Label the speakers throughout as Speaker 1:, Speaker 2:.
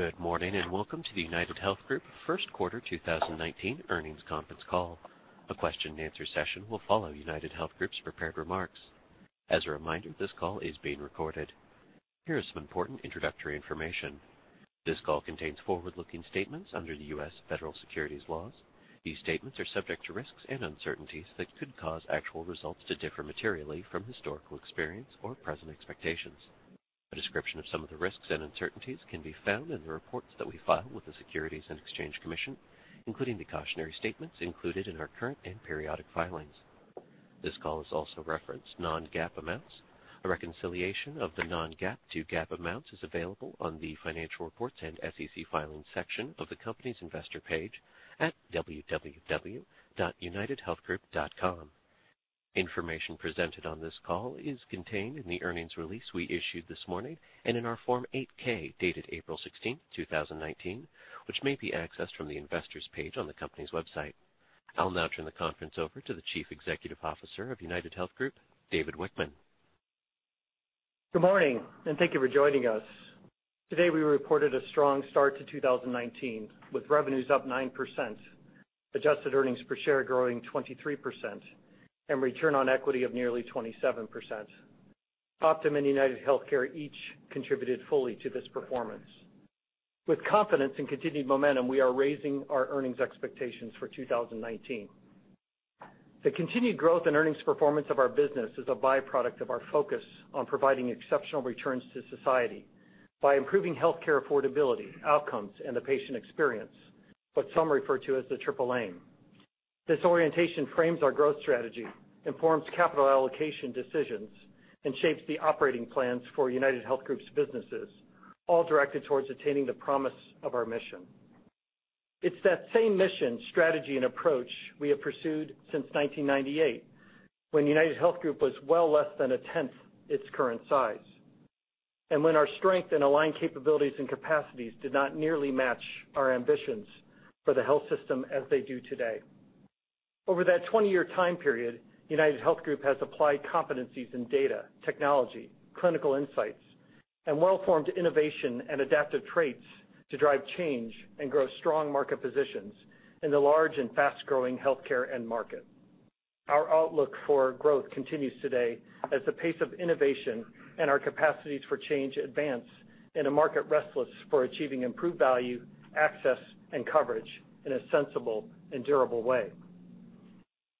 Speaker 1: Good morning, and welcome to the UnitedHealth Group first quarter 2019 earnings conference call. A question-and-answer session will follow UnitedHealth Group's prepared remarks. As a reminder, this call is being recorded. Here is some important introductory information. This call contains forward-looking statements under the U.S. Federal securities laws. These statements are subject to risks and uncertainties that could cause actual results to differ materially from historical experience or present expectations. A description of some of the risks and uncertainties can be found in the reports that we file with the Securities and Exchange Commission, including the cautionary statements included in our current and periodic filings. This call has also referenced non-GAAP amounts. A reconciliation of the non-GAAP to GAAP amounts is available on the financial reports and SEC filings section of the company's investor page at www.unitedhealthgroup.com. Information presented on this call is contained in the earnings release we issued this morning and in our Form 8-K, dated April 16, 2019, which may be accessed from the investors page on the company's website. I'll now turn the conference over to the Chief Executive Officer of UnitedHealth Group, David Wichmann.
Speaker 2: Good morning, and thank you for joining us. Today, we reported a strong start to 2019, with revenues up 9%, adjusted earnings per share growing 23%, and return on equity of nearly 27%. Optum and UnitedHealthcare each contributed fully to this performance. With confidence in continued momentum, we are raising our earnings expectations for 2019. The continued growth and earnings performance of our business is a byproduct of our focus on providing exceptional returns to society by improving healthcare affordability, outcomes, and the patient experience, what some refer to as the Triple Aim. This orientation frames our growth strategy, informs capital allocation decisions, and shapes the operating plans for UnitedHealth Group's businesses, all directed towards attaining the promise of our mission. It's that same mission, strategy, and approach we have pursued since 1998, when UnitedHealth Group was well less than a tenth its current size, and when our strength and aligned capabilities and capacities did not nearly match our ambitions for the health system as they do today. Over that 20-year time period, UnitedHealth Group has applied competencies in data, technology, clinical insights, and well-formed innovation and adaptive traits to drive change and grow strong market positions in the large and fast-growing healthcare end market. Our outlook for growth continues today as the pace of innovation and our capacities for change advance in a market restless for achieving improved value, access, and coverage in a sensible and durable way.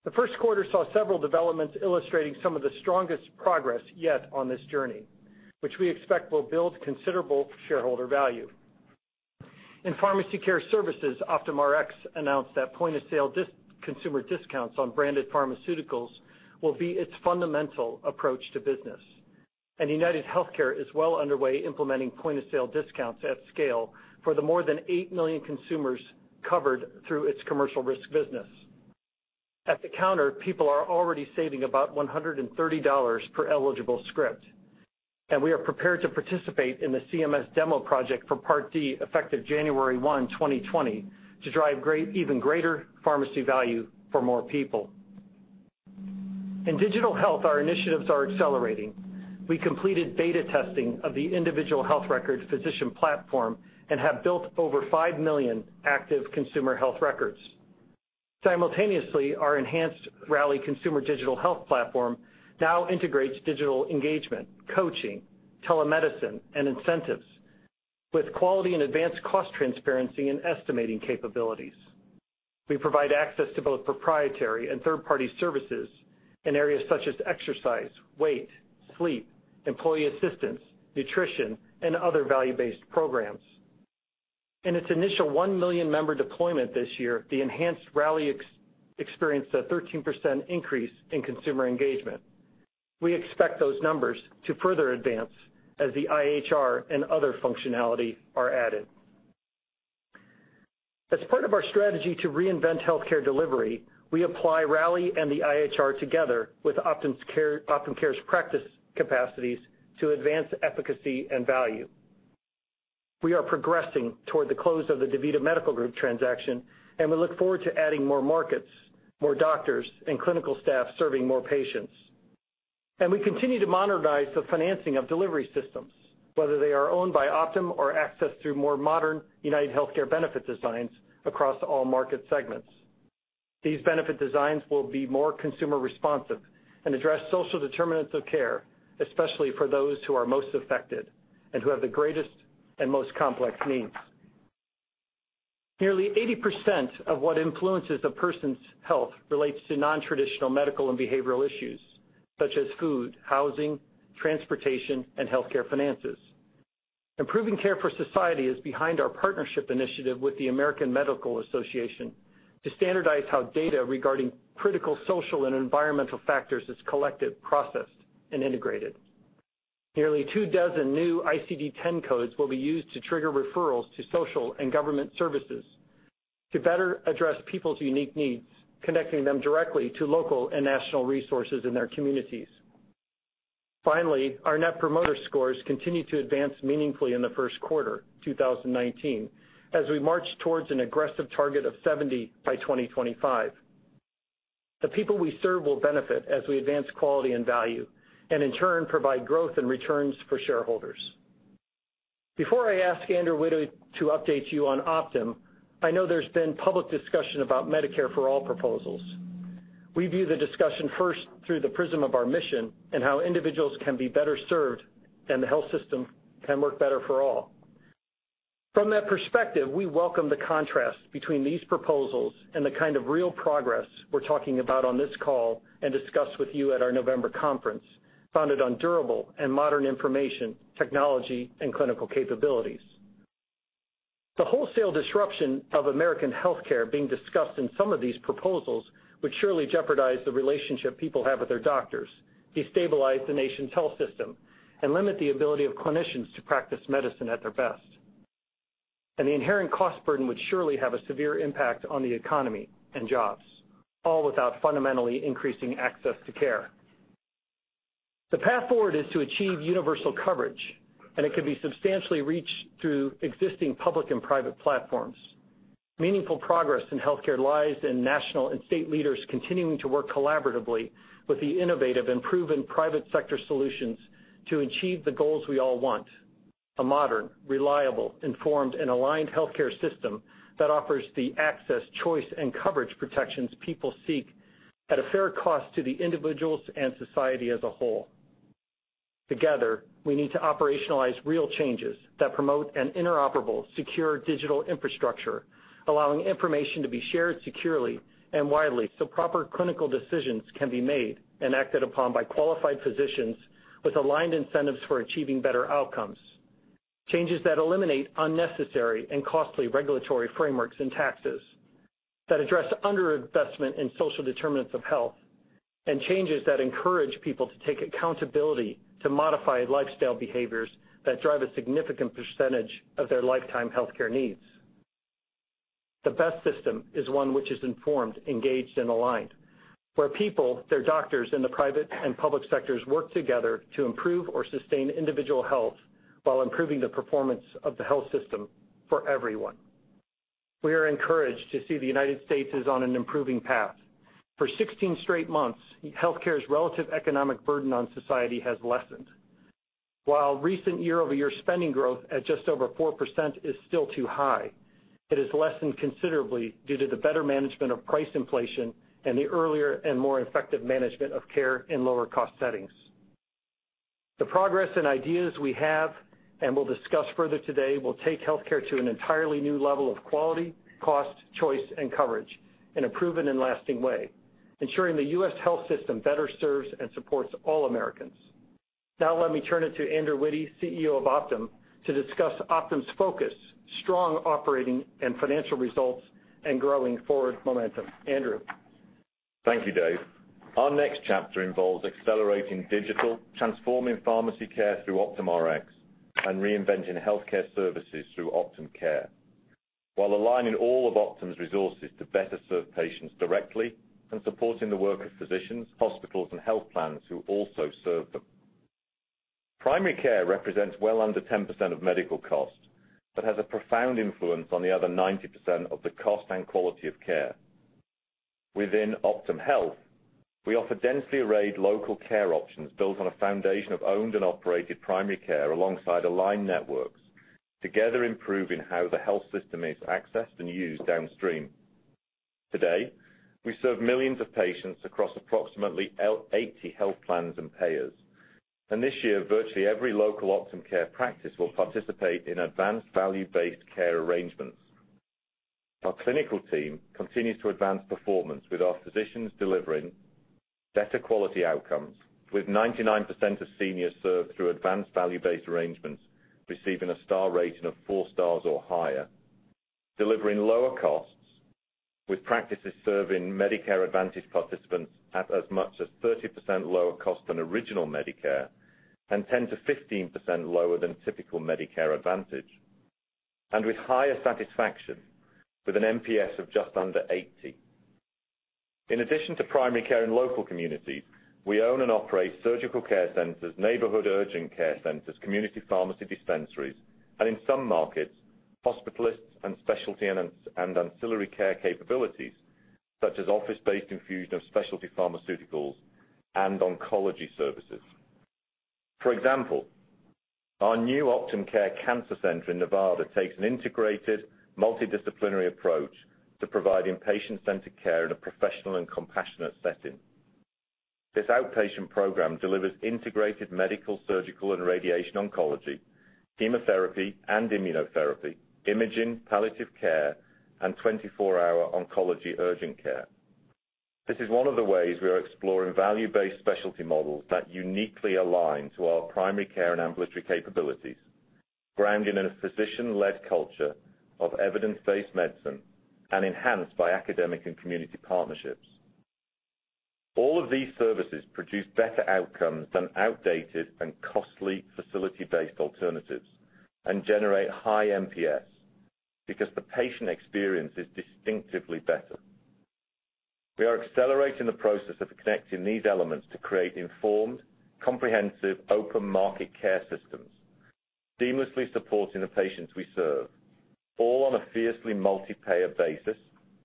Speaker 2: The first quarter saw several developments illustrating some of the strongest progress yet on this journey, which we expect will build considerable shareholder value. In pharmacy care services, OptumRx announced that point-of-sale consumer discounts on branded pharmaceuticals will be its fundamental approach to business. UnitedHealthcare is well underway implementing point-of-sale discounts at scale for the more than 8 million consumers covered through its commercial risk business. At the counter, people are already saving about $130 per eligible script, and we are prepared to participate in the CMS demo project for Part D effective January 1, 2020, to drive even greater pharmacy value for more people. In digital health, our initiatives are accelerating. We completed beta testing of the Individual Health Record physician platform and have built over 5 million active consumer health records. Simultaneously, our enhanced Rally consumer digital health platform now integrates digital engagement, coaching, telemedicine, and incentives with quality and advanced cost transparency and estimating capabilities. We provide access to both proprietary and third-party services in areas such as exercise, weight, sleep, employee assistance, nutrition, and other value-based programs. In its initial 1 million member deployment this year, the enhanced Rally experienced a 13% increase in consumer engagement. We expect those numbers to further advance as the IHR and other functionality are added. As part of our strategy to reinvent healthcare delivery, we apply Rally and the IHR together with Optum Care's practice capacities to advance efficacy and value. We are progressing toward the close of the DaVita Medical Group transaction, and we look forward to adding more markets, more doctors, and clinical staff serving more patients. We continue to modernize the financing of delivery systems, whether they are owned by Optum or accessed through more modern UnitedHealthcare benefit designs across all market segments. These benefit designs will be more consumer responsive and address social determinants of care, especially for those who are most affected and who have the greatest and most complex needs. Nearly 80% of what influences a person's health relates to non-traditional medical and behavioral issues, such as food, housing, transportation, and healthcare finances. Improving care for society is behind our partnership initiative with the American Medical Association to standardize how data regarding critical social and environmental factors is collected, processed, and integrated. Nearly two dozen new ICD-10 codes will be used to trigger referrals to social and government services to better address people's unique needs, connecting them directly to local and national resources in their communities. Finally, our Net Promoter Scores continue to advance meaningfully in the first quarter 2019 as we march towards an aggressive target of 70 by 2025. The people we serve will benefit as we advance quality and value, and in turn provide growth and returns for shareholders. Before I ask Andrew Witty to update you on Optum, I know there's been public discussion about Medicare for All proposals. We view the discussion first through the prism of our mission and how individuals can be better served and the health system can work better for all. From that perspective, we welcome the contrast between these proposals and the kind of real progress we're talking about on this call and discussed with you at our November conference, founded on durable and modern information, technology, and clinical capabilities. The wholesale disruption of American healthcare being discussed in some of these proposals would surely jeopardize the relationship people have with their doctors, destabilize the nation's health system, and limit the ability of clinicians to practice medicine at their best. The inherent cost burden would surely have a severe impact on the economy and jobs, all without fundamentally increasing access to care. The path forward is to achieve universal coverage. It can be substantially reached through existing public and private platforms. Meaningful progress in healthcare lies in national and state leaders continuing to work collaboratively with the innovative and proven private sector solutions to achieve the goals we all want. A modern, reliable, informed, and aligned healthcare system that offers the access, choice, and coverage protections people seek at a fair cost to the individuals and society as a whole. Together, we need to operationalize real changes that promote an interoperable, secure digital infrastructure, allowing information to be shared securely and widely so proper clinical decisions can be made and acted upon by qualified physicians with aligned incentives for achieving better outcomes. Changes that eliminate unnecessary and costly regulatory frameworks and taxes, that address underinvestment in social determinants of health, and changes that encourage people to take accountability to modify lifestyle behaviors that drive a significant percentage of their lifetime healthcare needs. The best system is one which is informed, engaged, and aligned. Where people, their doctors in the private and public sectors work together to improve or sustain individual health while improving the performance of the health system for everyone. We are encouraged to see the U.S. is on an improving path. For 16 straight months, healthcare's relative economic burden on society has lessened. While recent year-over-year spending growth at just over 4% is still too high, it has lessened considerably due to the better management of price inflation and the earlier and more effective management of care in lower cost settings. The progress and ideas we have and will discuss further today will take healthcare to an entirely new level of quality, cost, choice, and coverage in a proven and lasting way, ensuring the U.S. health system better serves and supports all Americans. Now let me turn it to Andrew Witty, CEO of Optum, to discuss Optum's focus, strong operating and financial results, and growing forward momentum. Andrew.
Speaker 3: Thank you, Dave. Our next chapter involves accelerating digital, transforming pharmacy care through OptumRx, and reinventing healthcare services through Optum Care, while aligning all of Optum's resources to better serve patients directly and supporting the work of physicians, hospitals, and health plans who also serve them. Primary care represents well under 10% of medical costs, but has a profound influence on the other 90% of the cost and quality of care. Within OptumHealth, we offer densely arrayed local care options built on a foundation of owned and operated primary care alongside aligned networks, together improving how the health system is accessed and used downstream. Today, we serve millions of patients across approximately 80 health plans and payers. This year, virtually every local Optum Care practice will participate in advanced value-based care arrangements. Our clinical team continues to advance performance with our physicians delivering better quality outcomes, with 99% of seniors served through advanced value-based arrangements receiving a star rating of 4 stars or higher, delivering lower costs, with practices serving Medicare Advantage participants at as much as 30% lower cost than original Medicare and 10%-15% lower than typical Medicare Advantage, and with higher satisfaction, with an NPS of just under 80. In addition to primary care in local communities, we own and operate surgical care centers, neighborhood urgent care centers, community pharmacy dispensaries, and in some markets, hospitalists and specialty and ancillary care capabilities, such as office-based infusion of specialty pharmaceuticals and oncology services. For example, our new Optum Care Cancer Center in Nevada takes an integrated, multidisciplinary approach to providing patient-centered care in a professional and compassionate setting. This outpatient program delivers integrated medical, surgical, and radiation oncology, chemotherapy and immunotherapy, imaging, palliative care, and 24-hour oncology urgent care. This is one of the ways we are exploring value-based specialty models that uniquely align to our primary care and ambulatory capabilities, grounded in a physician-led culture of evidence-based medicine and enhanced by academic and community partnerships. All of these services produce better outcomes than outdated and costly facility-based alternatives and generate high NPS, because the patient experience is distinctively better. We are accelerating the process of connecting these elements to create informed, comprehensive open market care systems. Seamlessly supporting the patients we serve, all on a fiercely multi-payer basis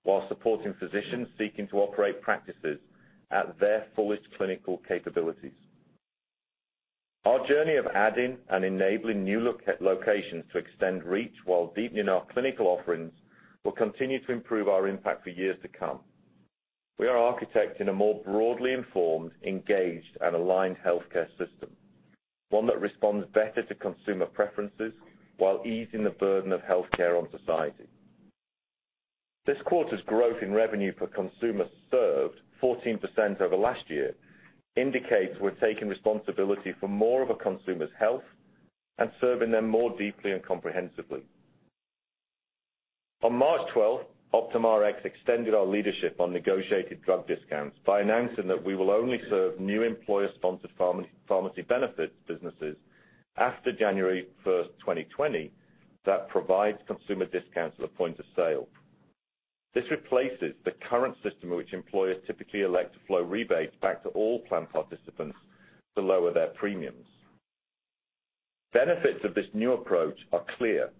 Speaker 3: while supporting physicians seeking to operate practices at their fullest clinical capabilities. Our journey of adding and enabling new locations to extend reach while deepening our clinical offerings will continue to improve our impact for years to come. We are architecting a more broadly informed, engaged, and aligned healthcare system, one that responds better to consumer preferences while easing the burden of healthcare on society. This quarter's growth in revenue per consumer served, 14% over last year, indicates we're taking responsibility for more of a consumer's health and serving them more deeply and comprehensively. On March 12th, OptumRx extended our leadership on negotiated drug discounts by announcing that we will only serve new employer-sponsored pharmacy benefits businesses after January 1st, 2020, that provides consumer discounts at the point of sale. This replaces the current system in which employers typically elect to flow rebates back to all plan participants to lower their premiums. Benefits of this new approach are clear.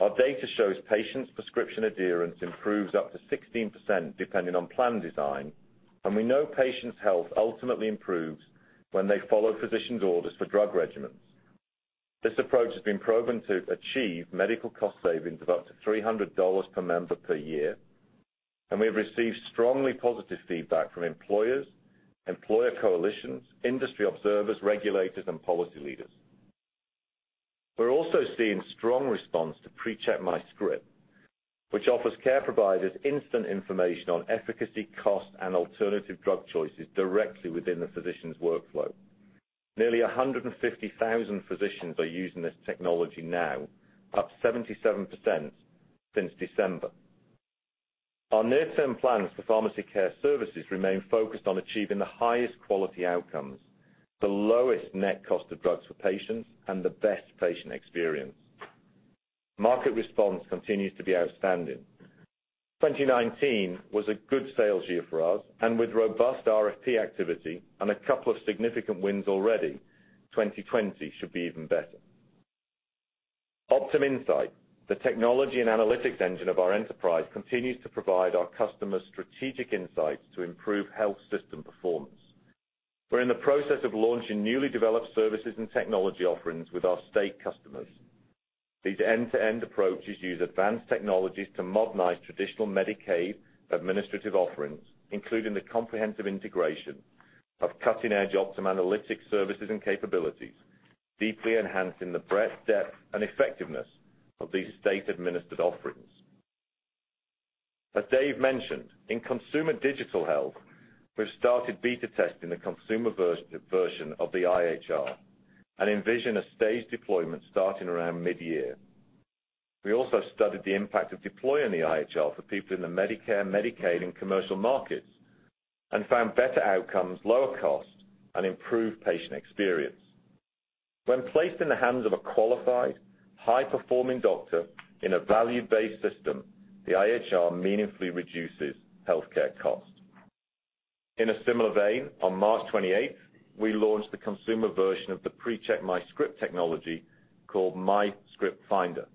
Speaker 3: Our data shows patients' prescription adherence improves up to 16% depending on plan design, and we know patients' health ultimately improves when they follow physicians' orders for drug regimens. This approach has been proven to achieve medical cost savings of up to $300 per member per year, and we have received strongly positive feedback from employers, employer coalitions, industry observers, regulators, and policy leaders. We're also seeing strong response to PreCheck MyScript, which offers care providers instant information on efficacy, cost, and alternative drug choices directly within the physician's workflow. Nearly 150,000 physicians are using this technology now, up 77% since December. Our near-term plans for pharmacy care services remain focused on achieving the highest quality outcomes, the lowest net cost of drugs for patients, and the best patient experience. Market response continues to be outstanding. 2019 was a good sales year for us, and with robust RFP activity and a couple of significant wins already, 2020 should be even better. OptumInsight, the technology and analytics engine of our enterprise, continues to provide our customers strategic insights to improve health system performance. We're in the process of launching newly developed services and technology offerings with our state customers. These end-to-end approaches use advanced technologies to modernize traditional Medicaid administrative offerings, including the comprehensive integration of cutting-edge Optum analytics services and capabilities, deeply enhancing the breadth, depth, and effectiveness of these state-administered offerings. As Dave mentioned, in consumer digital health, we've started beta testing the consumer version of the IHR and envision a staged deployment starting around mid-year. We also studied the impact of deploying the IHR for people in the Medicare, Medicaid, and commercial markets and found better outcomes, lower cost, and improved patient experience. When placed in the hands of a qualified, high-performing doctor in a value-based system, the IHR meaningfully reduces healthcare costs. In a similar vein, on March 28th, we launched the consumer version of the PreCheck MyScript technology called MyScript Finder.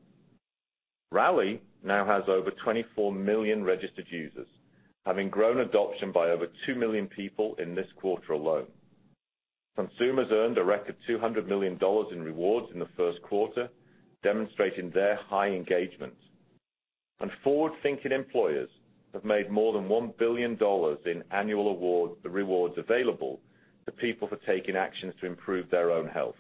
Speaker 3: Rally now has over 24 million registered users, having grown adoption by over 2 million people in this quarter alone. Consumers earned a record $200 million in rewards in the first quarter, demonstrating their high engagement. Forward-thinking employers have made more than $1 billion in annual rewards available to people for taking actions to improve their own health.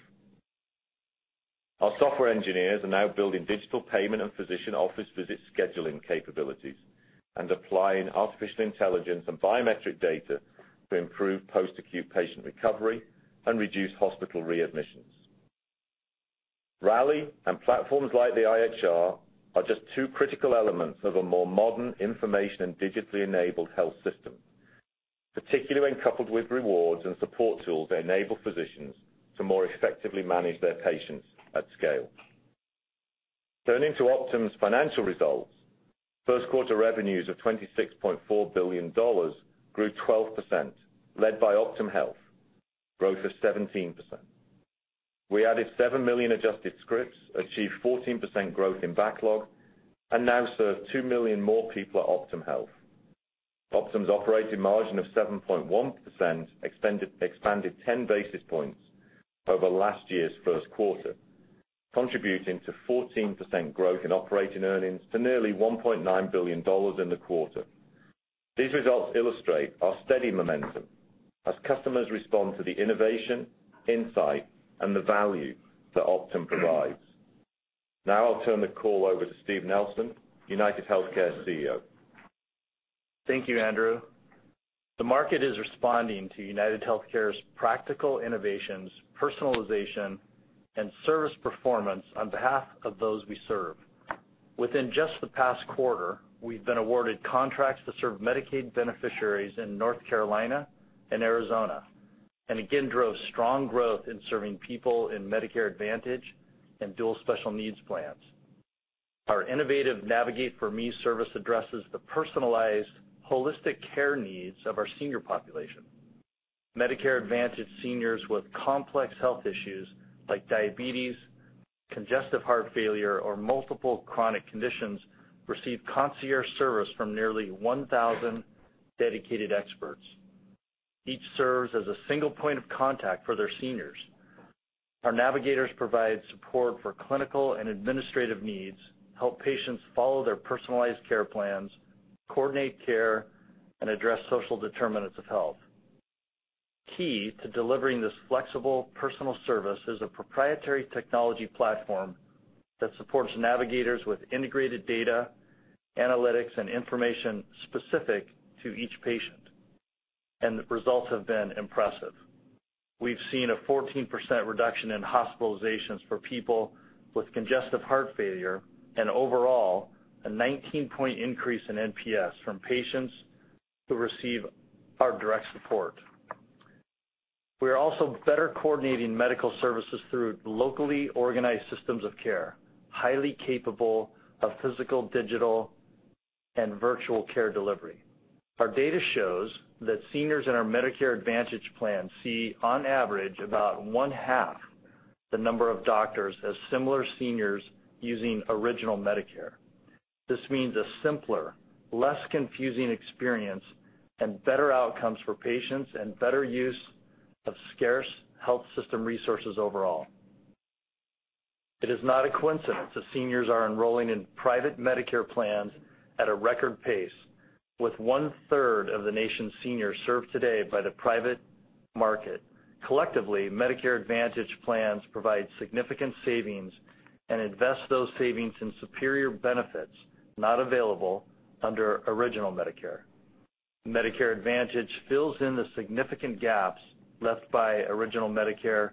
Speaker 3: Our software engineers are now building digital payment and physician office visit scheduling capabilities and applying artificial intelligence and biometric data to improve post-acute patient recovery and reduce hospital readmissions. Rally and platforms like the IHR are just two critical elements of a more modern information and digitally enabled health system. Particularly when coupled with rewards and support tools, they enable physicians to more effectively manage their patients at scale. Turning to Optum's financial results, first quarter revenues of $26.4 billion grew 12%, led by OptumHealth, growth of 17%. We added seven million adjusted scripts, achieved 14% growth in backlog, and now serve two million more people at OptumHealth. Optum's operating margin of 7.1% expanded 10 basis points over last year's first quarter, contributing to 14% growth in operating earnings to nearly $1.9 billion in the quarter. These results illustrate our steady momentum as customers respond to the innovation, insight, and the value that Optum provides. Now I'll turn the call over to Steve Nelson, UnitedHealthcare CEO.
Speaker 4: Thank you, Andrew. The market is responding to UnitedHealthcare's practical innovations, personalization, and service performance on behalf of those we serve. Within just the past quarter, we've been awarded contracts to serve Medicaid beneficiaries in North Carolina and Arizona, and again drove strong growth in serving people in Medicare Advantage and Dual Special Needs Plans. Our innovative Navigate4Me service addresses the personalized holistic care needs of our senior population Medicare Advantage seniors with complex health issues like diabetes, congestive heart failure, or multiple chronic conditions receive concierge service from nearly 1,000 dedicated experts. Each serves as a single point of contact for their seniors. Our navigators provide support for clinical and administrative needs, help patients follow their personalized care plans, coordinate care, and address social determinants of health. Key to delivering this flexible personal service is a proprietary technology platform that supports navigators with integrated data, analytics, and information specific to each patient, and the results have been impressive. We've seen a 14% reduction in hospitalizations for people with congestive heart failure, and overall, a 19-point increase in NPS from patients who receive our direct support. We are also better coordinating medical services through locally organized systems of care, highly capable of physical, digital, and virtual care delivery. Our data shows that seniors in our Medicare Advantage plans see, on average, about one-half the number of doctors as similar seniors using original Medicare. This means a simpler, less confusing experience and better outcomes for patients and better use of scarce health system resources overall. It is not a coincidence that seniors are enrolling in private Medicare plans at a record pace, with one-third of the nation's seniors served today by the private market. Collectively, Medicare Advantage plans provide significant savings and invest those savings in superior benefits not available under original Medicare. Medicare Advantage fills in the significant gaps left by original Medicare,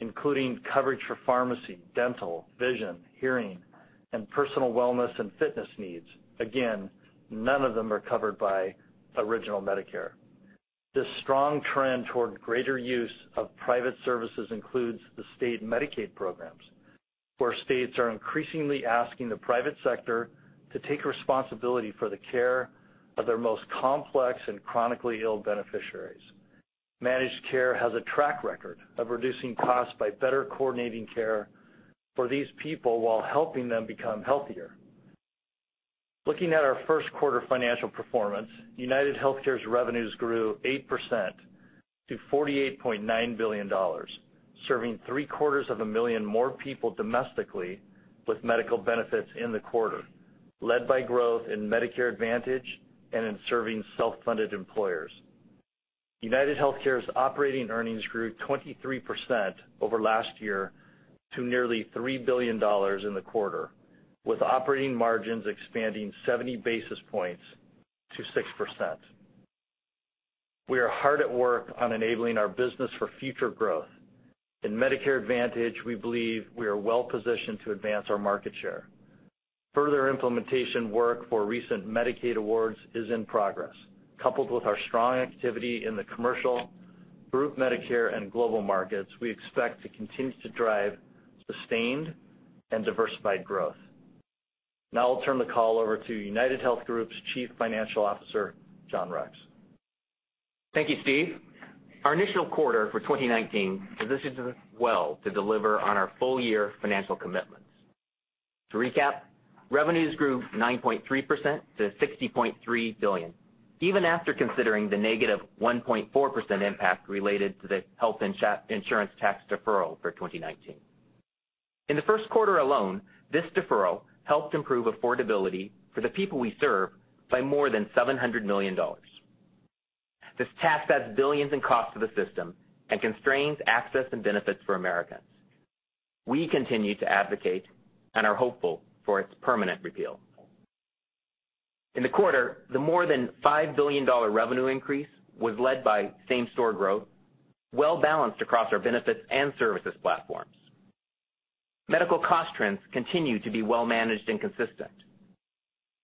Speaker 4: including coverage for pharmacy, dental, vision, hearing, and personal wellness and fitness needs. Again, none of them are covered by original Medicare. This strong trend toward greater use of private services includes the state Medicaid programs, where states are increasingly asking the private sector to take responsibility for the care of their most complex and chronically ill beneficiaries. Managed care has a track record of reducing costs by better coordinating care for these people while helping them become healthier. Looking at our first quarter financial performance, UnitedHealthcare's revenues grew 8% to $48.9 billion, serving three quarters of a million more people domestically with medical benefits in the quarter, led by growth in Medicare Advantage and in serving self-funded employers. UnitedHealthcare's operating earnings grew 23% over last year to nearly $3 billion in the quarter, with operating margins expanding 70 basis points to 6%. We are hard at work on enabling our business for future growth. In Medicare Advantage, we believe we are well positioned to advance our market share. Further implementation work for recent Medicaid awards is in progress. Coupled with our strong activity in the commercial group, Medicare and global markets, we expect to continue to drive sustained and diversified growth. Now I'll turn the call over to UnitedHealth Group's Chief Financial Officer, John Rex.
Speaker 5: Thank you, Steve. Our initial quarter for 2019 positions us well to deliver on our full year financial commitments. To recap, revenues grew 9.3% to $60.3 billion, even after considering the negative 1.4% impact related to the Health Insurance Tax deferral for 2019. In the first quarter alone, this deferral helped improve affordability for the people we serve by more than $700 million. This tax adds billions in cost to the system and constrains access and benefits for Americans. We continue to advocate and are hopeful for its permanent repeal. In the quarter, the more than $5 billion revenue increase was led by same-store growth, well-balanced across our benefits and services platforms. Medical cost trends continue to be well managed and consistent.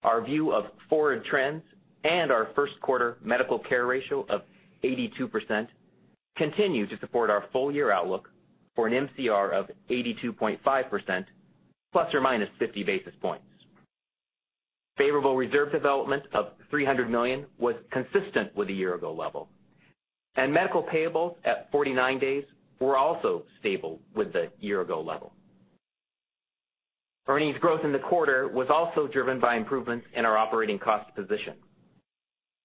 Speaker 5: Our view of forward trends and our first quarter medical care ratio of 82% continue to support our full year outlook for an MCR of 82.5%, ±50 basis points. Favorable reserve development of $300 million was consistent with the year-ago level, and medical payables at 49 days were also stable with the year-ago level. Earnings growth in the quarter was also driven by improvements in our operating cost position.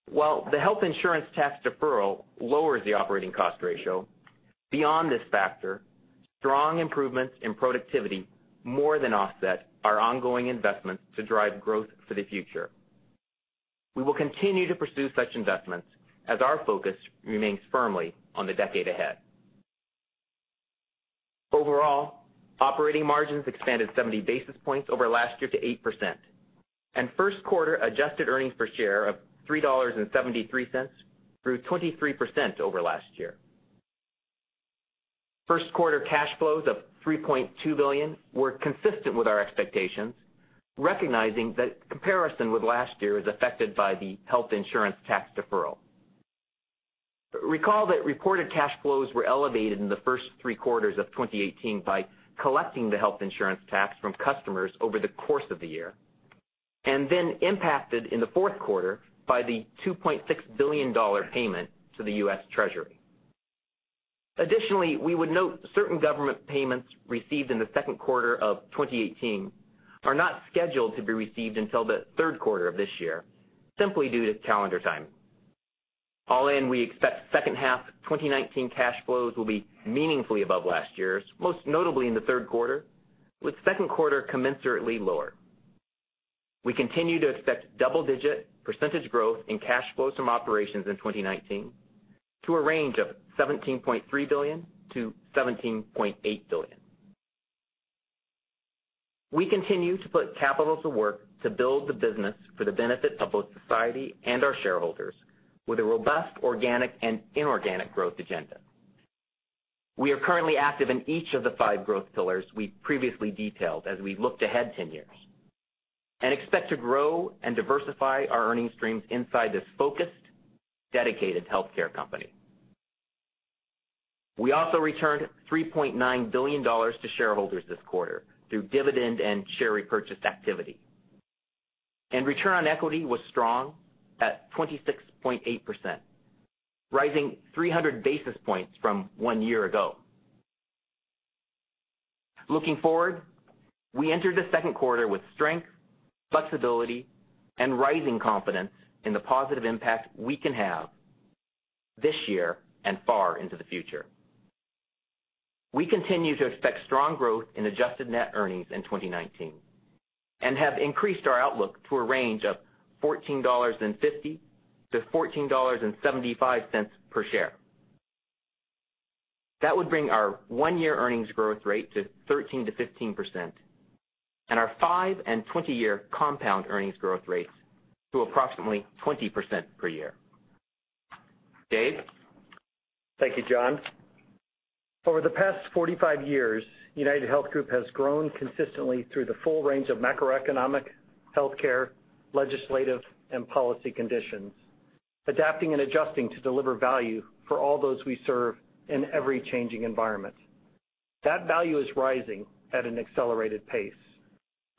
Speaker 5: While the Health Insurance Tax deferral lowers the operating cost ratio, beyond this factor, strong improvements in productivity more than offset our ongoing investments to drive growth for the future. We will continue to pursue such investments as our focus remains firmly on the decade ahead. Overall, operating margins expanded 70 basis points over last year to 8%, and first quarter adjusted earnings per share of $3.73 grew 23% over last year. First quarter cash flows of $3.2 billion were consistent with our expectations, recognizing that comparison with last year is affected by the Health Insurance Tax deferral. Recall that reported cash flows were elevated in the first three quarters of 2018 by collecting the Health Insurance Tax from customers over the course of the year. Then impacted in the fourth quarter by the $2.6 billion payment to the U.S. Treasury. Additionally, we would note certain government payments received in the second quarter of 2018 are not scheduled to be received until the third quarter of this year, simply due to calendar timing. All in, we expect second half 2019 cash flows will be meaningfully above last year's, most notably in the third quarter, with second quarter commensurately lower. We continue to expect double-digit percentage growth in cash flows from operations in 2019 to a range of $17.3 billion-$17.8 billion. We continue to put capital to work to build the business for the benefit of both society and our shareholders with a robust organic and inorganic growth agenda. We are currently active in each of the five growth pillars we previously detailed as we look ahead 10 years and expect to grow and diversify our earnings streams inside this focused, dedicated healthcare company. We also returned $3.9 billion to shareholders this quarter through dividend and share repurchase activity. Return on equity was strong at 26.8%, rising 300 basis points from one year ago. Looking forward, we entered the second quarter with strength, flexibility, and rising confidence in the positive impact we can have this year and far into the future. We continue to expect strong growth in adjusted net earnings in 2019 and have increased our outlook to a range of $14.50-$14.75 per share. That would bring our one-year earnings growth rate to 13%-15% and our five and 20-year compound earnings growth rates to approximately 20% per year. Dave?
Speaker 2: Thank you, John. Over the past 45 years, UnitedHealth Group has grown consistently through the full range of macroeconomic, healthcare, legislative, and policy conditions, adapting and adjusting to deliver value for all those we serve in every changing environment. That value is rising at an accelerated pace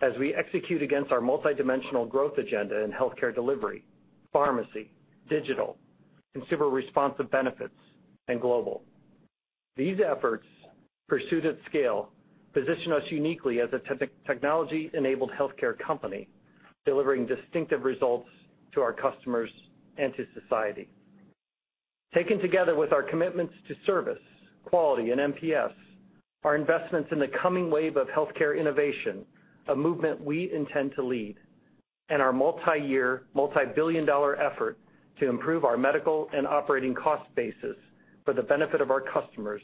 Speaker 2: as we execute against our multidimensional growth agenda in healthcare delivery, pharmacy, digital, consumer responsive benefits, and global. These efforts, pursued at scale, position us uniquely as a technology-enabled healthcare company, delivering distinctive results to our customers and to society. Taken together with our commitments to service, quality, and NPS, our investments in the coming wave of healthcare innovation, a movement we intend to lead, and our multiyear, multibillion-dollar effort to improve our medical and operating cost basis for the benefit of our customers,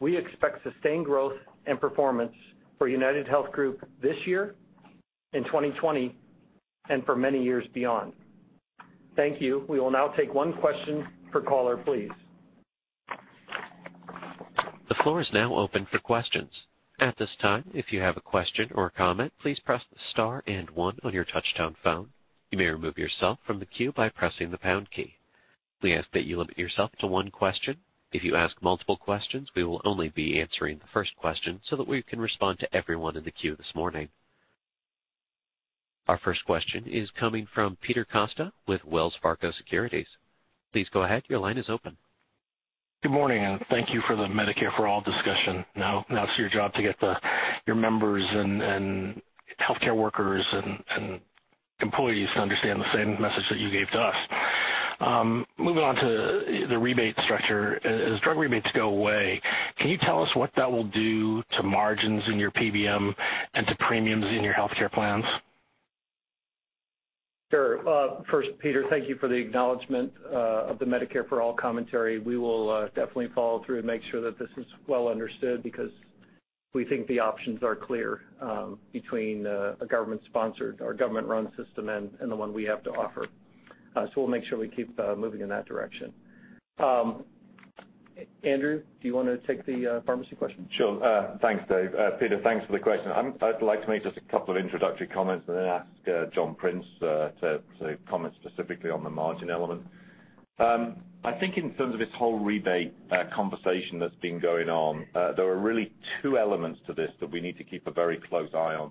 Speaker 2: we expect sustained growth and performance for UnitedHealth Group this year, in 2020, and for many years beyond. Thank you. We will now take one question per caller, please.
Speaker 1: The floor is now open for questions. At this time, if you have a question or a comment, please press star and one on your touchtone phone. You may remove yourself from the queue by pressing the pound key. We ask that you limit yourself to one question. If you ask multiple questions, we will only be answering the first question so that we can respond to everyone in the queue this morning. Our first question is coming from Peter Costa with Wells Fargo Securities. Please go ahead. Your line is open.
Speaker 6: Good morning, and thank you for the Medicare-for-all discussion. Now it's your job to get your members and healthcare workers and employees to understand the same message that you gave to us. Moving on to the rebate structure. As drug rebates go away, can you tell us what that will do to margins in your PBM and to premiums in your healthcare plans?
Speaker 2: Sure. First, Peter, thank you for the acknowledgment of the Medicare for All commentary. We will definitely follow through and make sure that this is well understood because we think the options are clear between a government-sponsored or government-run system and the one we have to offer. We'll make sure we keep moving in that direction. Andrew, do you want to take the pharmacy question?
Speaker 3: Sure. Thanks, Dave. Peter, thanks for the question. I'd like to make just a couple of introductory comments and then ask John Prince to comment specifically on the margin element. I think in terms of this whole rebate conversation that's been going on, there are really two elements to this that we need to keep a very close eye on.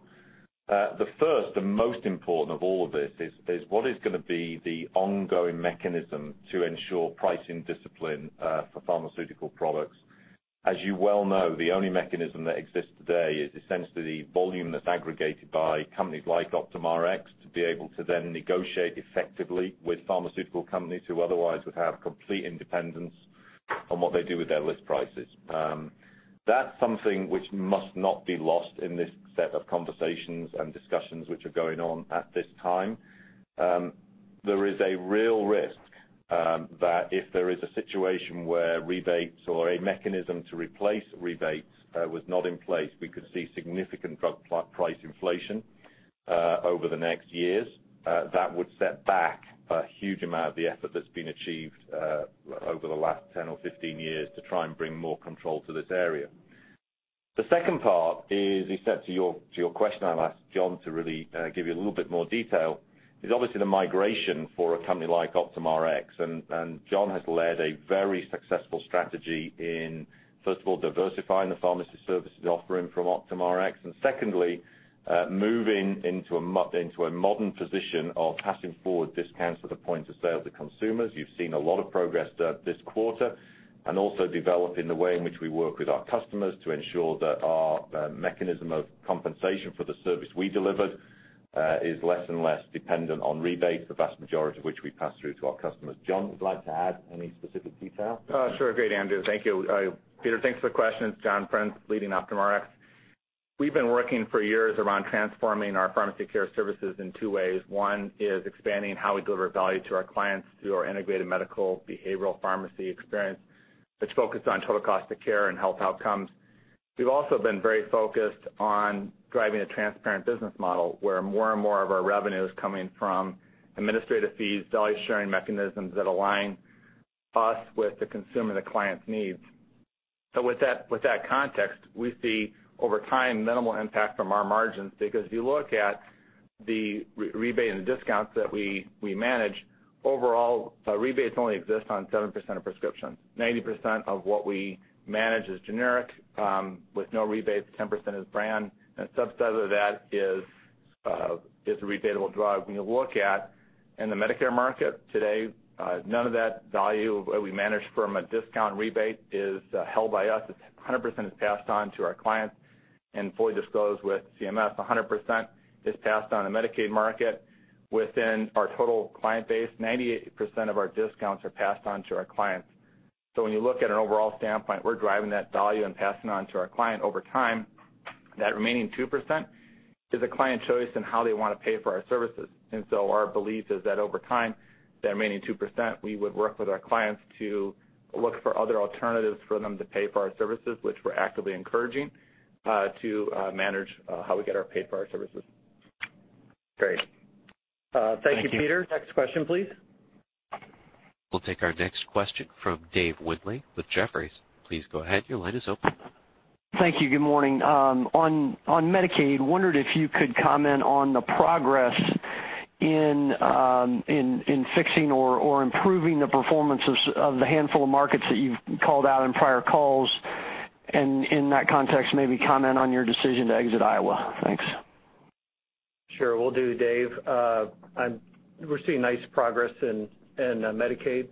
Speaker 3: The first and most important of all of this is what is going to be the ongoing mechanism to ensure pricing discipline for pharmaceutical products. As you well know, the only mechanism that exists today is essentially volume that's aggregated by companies like OptumRx to be able to then negotiate effectively with pharmaceutical companies who otherwise would have complete independence on what they do with their list prices. That's something which must not be lost in this set of conversations and discussions which are going on at this time. There is a real risk that if there is a situation where rebates or a mechanism to replace rebates was not in place, we could see significant drug price inflation over the next years. That would set back a huge amount of the effort that's been achieved over the last 10 or 15 years to try and bring more control to this area. The second part is, I'll ask John to really give you a little bit more detail. Is obviously the migration for a company like OptumRx. John has led a very successful strategy in, first of all, diversifying the pharmacy services offering from OptumRx, and secondly, moving into a modern position of passing forward discounts to the point-of-sale to consumers. You've seen a lot of progress there this quarter. Also developing the way in which we work with our customers to ensure that our mechanism of compensation for the service we delivered, is less and less dependent on rebates, the vast majority of which we pass through to our customers. John, would you like to add any specific detail?
Speaker 7: Sure. Great, Andrew. Thank you. Peter, thanks for the question. It's John Prince, leading OptumRx. We've been working for years around transforming our pharmacy care services in two ways. One is expanding how we deliver value to our clients through our integrated medical behavioral pharmacy experience, which focused on total cost of care and health outcomes. We've also been very focused on driving a transparent business model where more and more of our revenue is coming from administrative fees, value sharing mechanisms that align us with the consumer, the client's needs. With that context, we see over time, minimal impact from our margins because if you look at the rebate and discounts that we manage, overall, rebates only exist on 7% of prescriptions. 90% of what we manage is generic, with no rebates, 10% is brand, and a subset of that is a rebatable drug. When you look at in the Medicare market today, none of that value we manage from a discount rebate is held by us. It's 100% is passed on to our clients and fully disclosed with CMS. 100% is passed on the Medicaid market. Within our total client base, 98% of our discounts are passed on to our clients. When you look at an overall standpoint, we're driving that value and passing it on to our client over time. That remaining 2% is a client choice in how they want to pay for our services. Our belief is that over time, that remaining 2%, we would work with our clients to look for other alternatives for them to pay for our services, which we're actively encouraging, to manage how we get our pay for our services.
Speaker 3: Great. Thank you, Peter. Next question, please.
Speaker 1: We'll take our next question from David Windley with Jefferies. Please go ahead. Your line is open.
Speaker 8: Thank you. Good morning. On Medicaid, wondered if you could comment on the progress in fixing or improving the performance of the handful of markets that you've called out in prior calls, and in that context, maybe comment on your decision to exit Iowa. Thanks.
Speaker 9: Sure. Will do, Dave. We're seeing nice progress in Medicaid,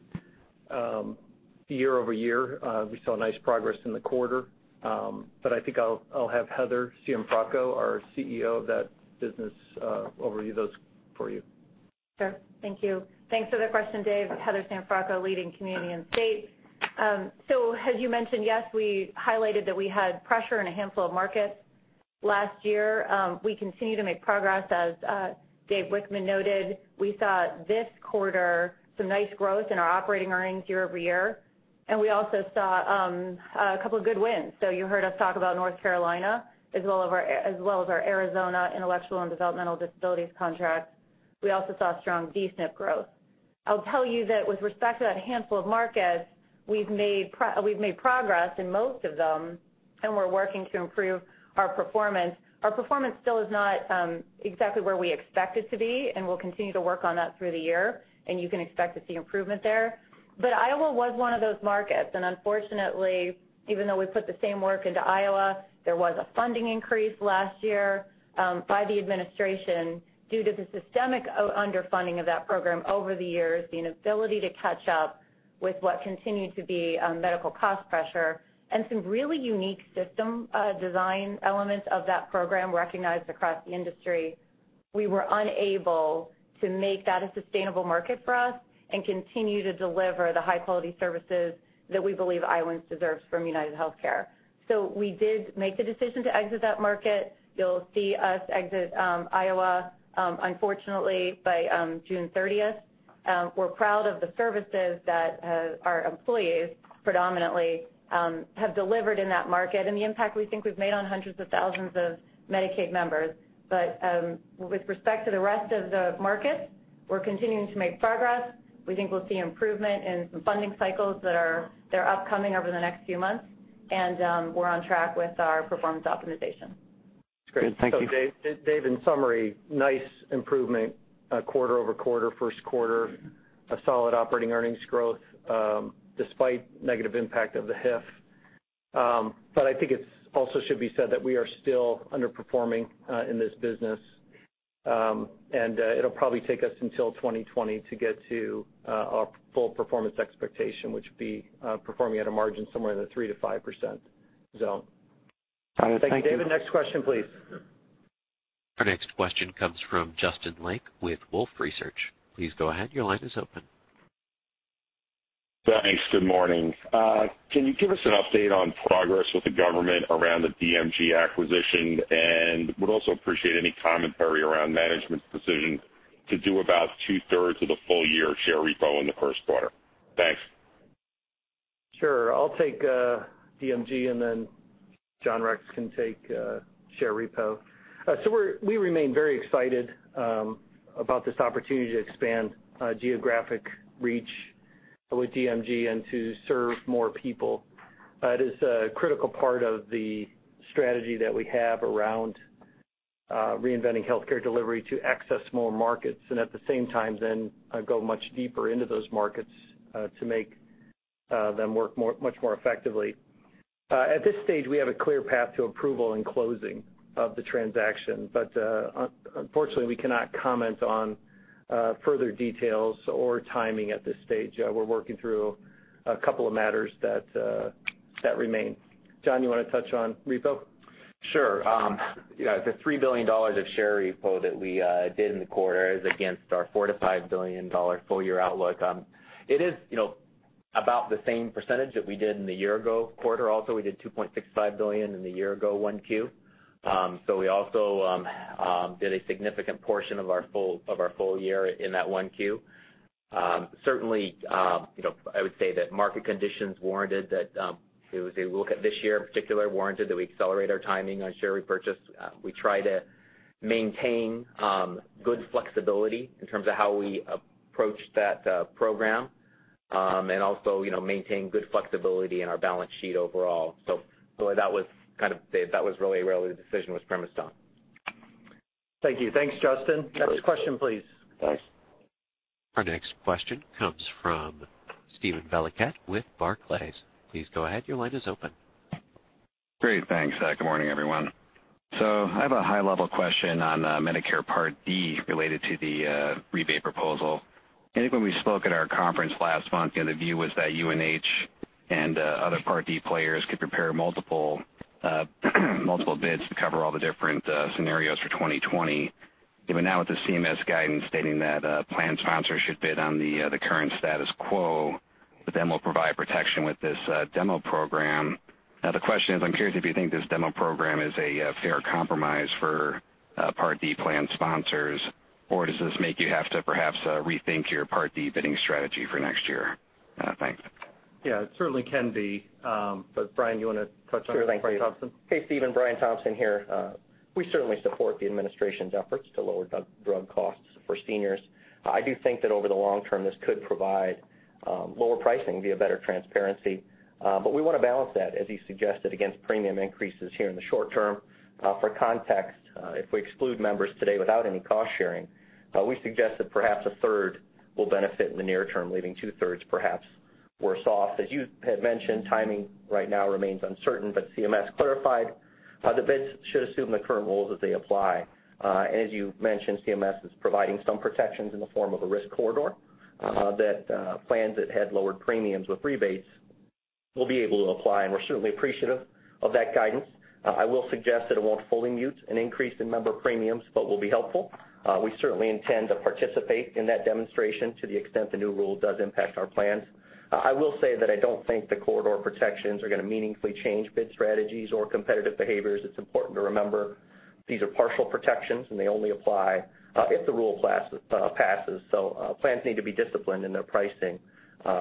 Speaker 9: year-over-year. We saw nice progress in the quarter. I think I'll have Heather Cianfranco, our CEO of that business, overview those for you.
Speaker 10: Sure. Thank you. Thanks for the question, Dave. Heather Cianfranco, leading Community and State. As you mentioned, yes, we highlighted that we had pressure in a handful of markets last year. We continue to make progress as Dave Wichmann noted. We saw this quarter some nice growth in our operating earnings year-over-year, and we also saw a couple of good wins. You heard us talk about North Carolina as well as our Arizona intellectual and developmental disabilities contract. We also saw strong DSNP growth. I'll tell you that with respect to that handful of markets, we've made progress in most of them, and we're working to improve our performance. Our performance still is not exactly where we expect it to be, and we'll continue to work on that through the year, and you can expect to see improvement there. Iowa was one of those markets, and unfortunately, even though we put the same work into Iowa, there was a funding increase last year by the administration due to the systemic underfunding of that program over the years, the inability to catch up with what continued to be medical cost pressure and some really unique system design elements of that program recognized across the industry. We were unable to make that a sustainable market for us and continue to deliver the high-quality services that we believe Iowans deserve from UnitedHealthcare. We did make the decision to exit that market. You'll see us exit Iowa, unfortunately, by June 30th. We're proud of the services that our employees predominantly have delivered in that market and the impact we think we've made on hundreds of thousands of Medicaid members. With respect to the rest of the markets, we're continuing to make progress. We think we'll see improvement in some funding cycles that are upcoming over the next few months, and we're on track with our performance optimization.
Speaker 9: That's great. Thank you. Dave, in summary, nice improvement quarter-over-quarter, first quarter, a solid operating earnings growth, despite negative impact of the HIF. I think it also should be said that we are still underperforming in this business. It'll probably take us until 2020 to get to our full performance expectation, which would be performing at a margin somewhere in the 3%-5% zone.
Speaker 8: Got it. Thank you.
Speaker 9: David, next question, please.
Speaker 1: Our next question comes from Justin Lake with Wolfe Research. Please go ahead. Your line is open.
Speaker 11: Thanks. Good morning. Can you give us an update on progress with the government around the DMG acquisition? Would also appreciate any commentary around management's decision to do about two-thirds of the full year share repo in the first quarter. Thanks.
Speaker 9: Sure. I'll take DMG, then John Rex can take share repo. We remain very excited about this opportunity to expand geographic reach. To serve more people. That is a critical part of the strategy that we have around reinventing healthcare delivery to access more markets, at the same time, go much deeper into those markets to make them work much more effectively. At this stage, we have a clear path to approval and closing of the transaction, unfortunately, we cannot comment on further details or timing at this stage. We're working through a couple of matters that remain. John, you want to touch on repo?
Speaker 5: Sure. The $3 billion of share repo that we did in the quarter is against our $4 billion-$5 billion full-year outlook. It is about the same percentage that we did in the year-ago quarter. Also, we did $2.65 billion in the year-ago 1Q. We also did a significant portion of our full year in that 1Q. Certainly, I would say that market conditions warranted that we accelerate our timing on share repurchase. We try to maintain good flexibility in terms of how we approach that program, also maintain good flexibility in our balance sheet overall. That was really what the decision was premised on.
Speaker 2: Thank you. Thanks, Justin. Next question, please.
Speaker 5: Thanks.
Speaker 1: Our next question comes from Steven Valiquette with Barclays. Please go ahead. Your line is open.
Speaker 12: Great. Thanks. Good morning, everyone. I have a high-level question on Medicare Part D related to the rebate proposal. I think when we spoke at our conference last month, the view was that UNH and other Part D players could prepare multiple bids to cover all the different scenarios for 2020. Now with the CMS guidance stating that a plan sponsor should bid on the current status quo, we'll provide protection with this demo program. The question is, I'm curious if you think this demo program is a fair compromise for Part D plan sponsors, or does this make you have to perhaps rethink your Part D bidding strategy for next year? Thanks.
Speaker 2: Yeah, it certainly can be. Brian, you want to touch on that? Brian Thompson.
Speaker 13: Sure thing. Hey, Steven. Brian Thompson here. We certainly support the administration's efforts to lower drug costs for seniors. I do think that over the long term, this could provide lower pricing via better transparency. We want to balance that, as you suggested, against premium increases here in the short term. For context, if we exclude members today without any cost-sharing, we suggest that perhaps a third will benefit in the near term, leaving two-thirds perhaps worse off. As you had mentioned, timing right now remains uncertain, CMS clarified the bids should assume the current rules as they apply. As you mentioned, CMS is providing some protections in the form of a risk corridor, that plans that had lower premiums with rebates will be able to apply, and we're certainly appreciative of that guidance. I will suggest that it won't fully mute an increase in member premiums, will be helpful. We certainly intend to participate in that demonstration to the extent the new rule does impact our plans. I will say that I don't think the corridor protections are going to meaningfully change bid strategies or competitive behaviors. It's important to remember these are partial protections, and they only apply if the rule passes. Plans need to be disciplined in their pricing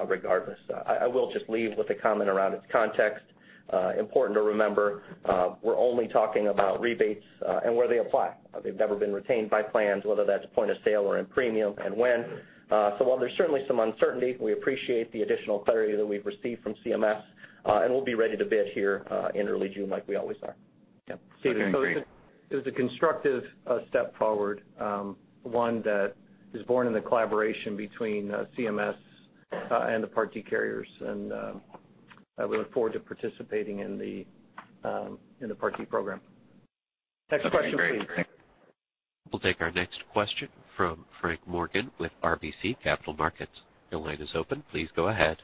Speaker 13: regardless. I will just leave with a comment around its context. Important to remember, we're only talking about rebates and where they apply. They've never been retained by plans, whether that's point-of-sale or in premium and when. While there's certainly some uncertainty, we appreciate the additional clarity that we've received from CMS, and we'll be ready to bid here in early June, like we always are.
Speaker 12: Okay, great.
Speaker 2: It was a constructive step forward, one that is born in the collaboration between CMS and the Part D carriers. We look forward to participating in the Part D program. Next question, please.
Speaker 12: Okay, great. Thanks.
Speaker 1: We'll take our next question from Frank Morgan with RBC Capital Markets. Your line is open. Please go ahead.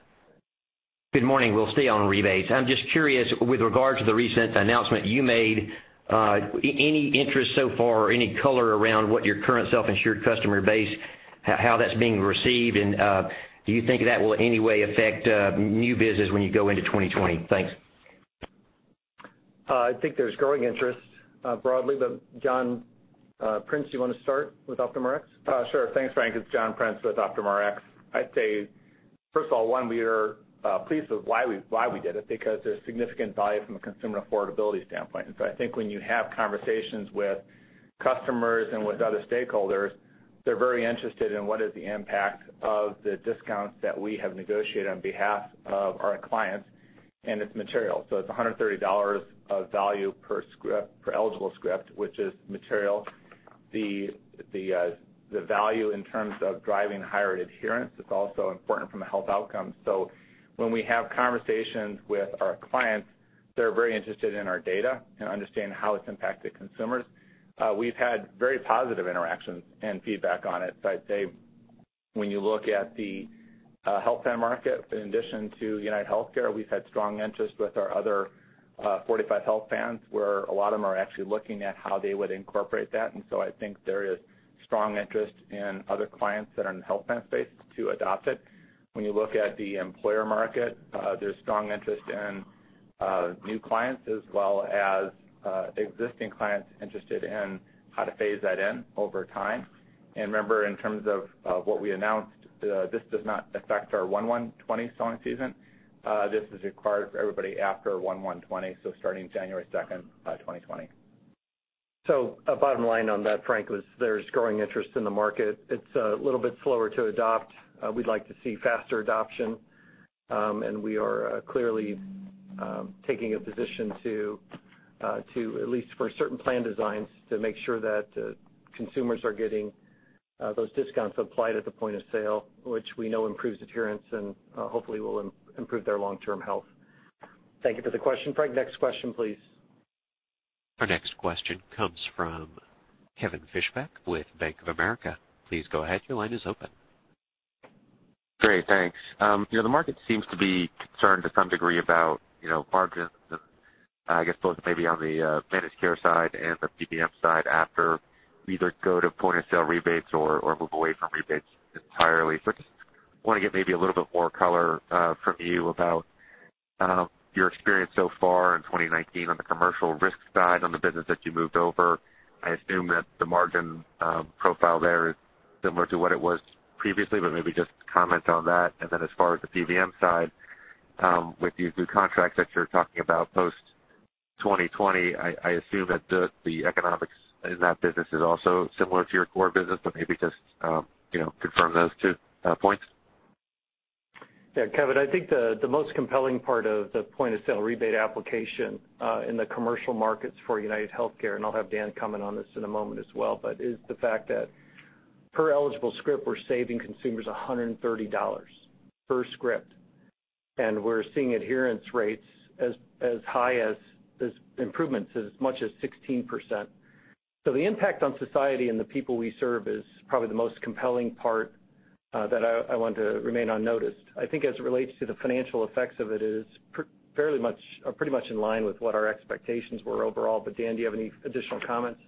Speaker 14: Good morning. We'll stay on rebates. I'm just curious, with regard to the recent announcement you made, any interest so far or any color around what your current self-insured customer base, how that's being received, and do you think that will in any way affect new business when you go into 2020? Thanks.
Speaker 2: I think there's growing interest broadly, John Prince, do you want to start with OptumRx?
Speaker 7: Sure. Thanks, Frank. It's John Prince with OptumRx. I'd say, first of all, we are pleased with why we did it, because there's significant value from a consumer affordability standpoint. I think when you have conversations with customers and with other stakeholders, they're very interested in what is the impact of the discounts that we have negotiated on behalf of our clients, and it's material. It's $130 of value per eligible script, which is material. The value in terms of driving higher adherence is also important from a health outcome. When we have conversations with our clients, they're very interested in our data and understand how it's impacted consumers. We've had very positive interactions and feedback on it. I'd say when you look at the health plan market, in addition to UnitedHealthcare, we've had strong interest with our other affiliated health plans, where a lot of them are actually looking at how they would incorporate that, I think there is strong interest in other clients that are in the health plan space to adopt it. When you look at the employer market, there's strong interest in new clients as well as existing clients interested in how to phase that in over time. Remember, in terms of what we announced, this does not affect our 1/1/2020 selling season. This is required for everybody after 1/1/2020, starting January 2nd, 2020.
Speaker 2: A bottom line on that, Frank, was there's growing interest in the market. It's a little bit slower to adopt. We'd like to see faster adoption. We are clearly taking a position to at least for certain plan designs, to make sure that consumers are getting those discounts applied at the point-of-sale, which we know improves adherence and hopefully will improve their long-term health. Thank you for the question, Frank. Next question, please.
Speaker 1: Our next question comes from Kevin Fischbeck with Bank of America. Please go ahead. Your line is open.
Speaker 15: Great. Thanks. The market seems to be concerned to some degree about margins and I guess both maybe on the managed care side and the PBM side after either go to point-of-sale rebates or move away from rebates entirely. I just want to get maybe a little bit more color from you about your experience so far in 2019 on the commercial risk side on the business that you moved over. I assume that the margin profile there is similar to what it was previously, but maybe just comment on that, and then as far as the PBM side with these new contracts that you're talking about post 2020, I assume that the economics in that business is also similar to your core business, but maybe just confirm those two points.
Speaker 2: Kevin, I think the most compelling part of the point-of-sale rebate application in the commercial markets for UnitedHealthcare, and I'll have Dan comment on this in a moment as well, but is the fact that per eligible script, we're saving consumers $130 per script, and we're seeing adherence rates as high as improvements as much as 16%. The impact on society and the people we serve is probably the most compelling part that I want to remain unnoticed. I think as it relates to the financial effects of it is pretty much in line with what our expectations were overall. Dan, do you have any additional comments?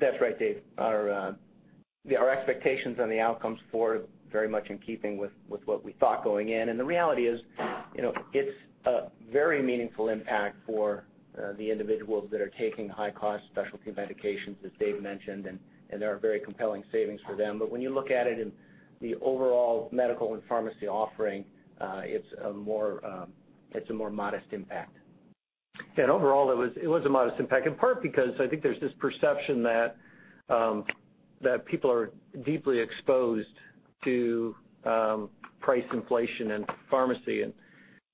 Speaker 9: That's right, Dave. Our expectations on the outcomes for very much in keeping with what we thought going in. The reality is, it's a very meaningful impact for the individuals that are taking high cost specialty medications, as Dave mentioned, there are very compelling savings for them. When you look at it in the overall medical and pharmacy offering, it's a more modest impact.
Speaker 2: Overall, it was a modest impact, in part because I think there's this perception that people are deeply exposed to price inflation and pharmacy.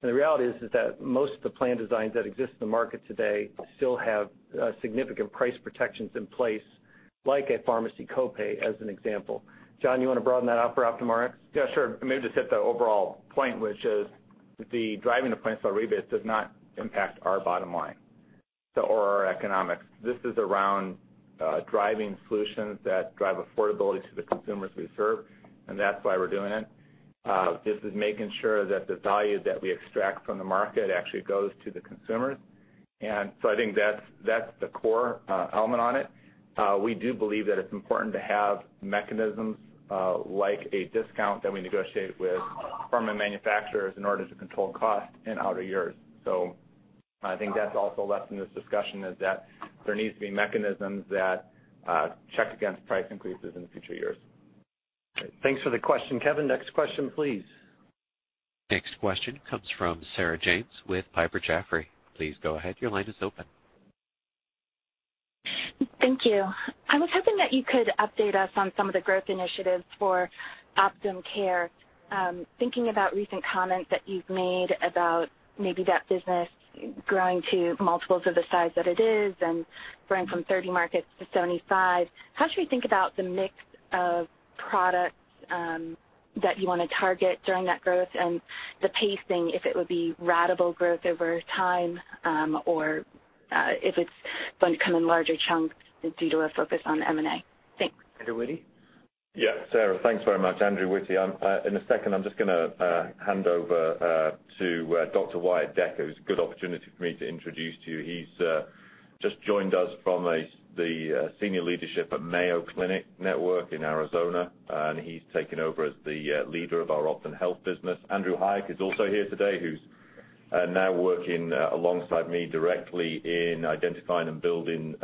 Speaker 2: The reality is that most of the plan designs that exist in the market today still have significant price protections in place, like a pharmacy copay, as an example. John, you want to broaden that out for OptumRx?
Speaker 7: Yeah, sure. Maybe just hit the overall point, which is the driving the point-of-sale rebates does not impact our bottom line or our economics. This is around driving solutions that drive affordability to the consumers we serve, and that's why we're doing it. This is making sure that the value that we extract from the market actually goes to the consumers. I think that's the core element on it. We do believe that it's important to have mechanisms like a discount that we negotiate with pharma manufacturers in order to control cost in outer years. I think that's also a lesson this discussion is that there needs to be mechanisms that check against price increases in future years.
Speaker 2: Thanks for the question, Kevin. Next question, please.
Speaker 1: Next question comes from Sarah James with Piper Jaffray. Please go ahead. Your line is open.
Speaker 16: Thank you. I was hoping that you could update us on some of the growth initiatives for Optum Care. Thinking about recent comments that you've made about maybe that business growing to multiples of the size that it is and growing from 30 markets to 75. How should we think about the mix of products that you want to target during that growth and the pacing, if it would be ratable growth over time, or if it's going to come in larger chunks due to a focus on M&A? Thanks.
Speaker 2: Andrew Witty?
Speaker 3: Yeah, Sarah, thanks very much, Andrew Witty. In a second, I'm just going to hand over to Dr. Wyatt Decker, who's a good opportunity for me to introduce to you. He's just joined us from the senior leadership at Mayo Clinic network in Arizona, and he's taken over as the leader of our OptumHealth business. Andrew Hayek is also here today, who's now working alongside me directly in identifying and building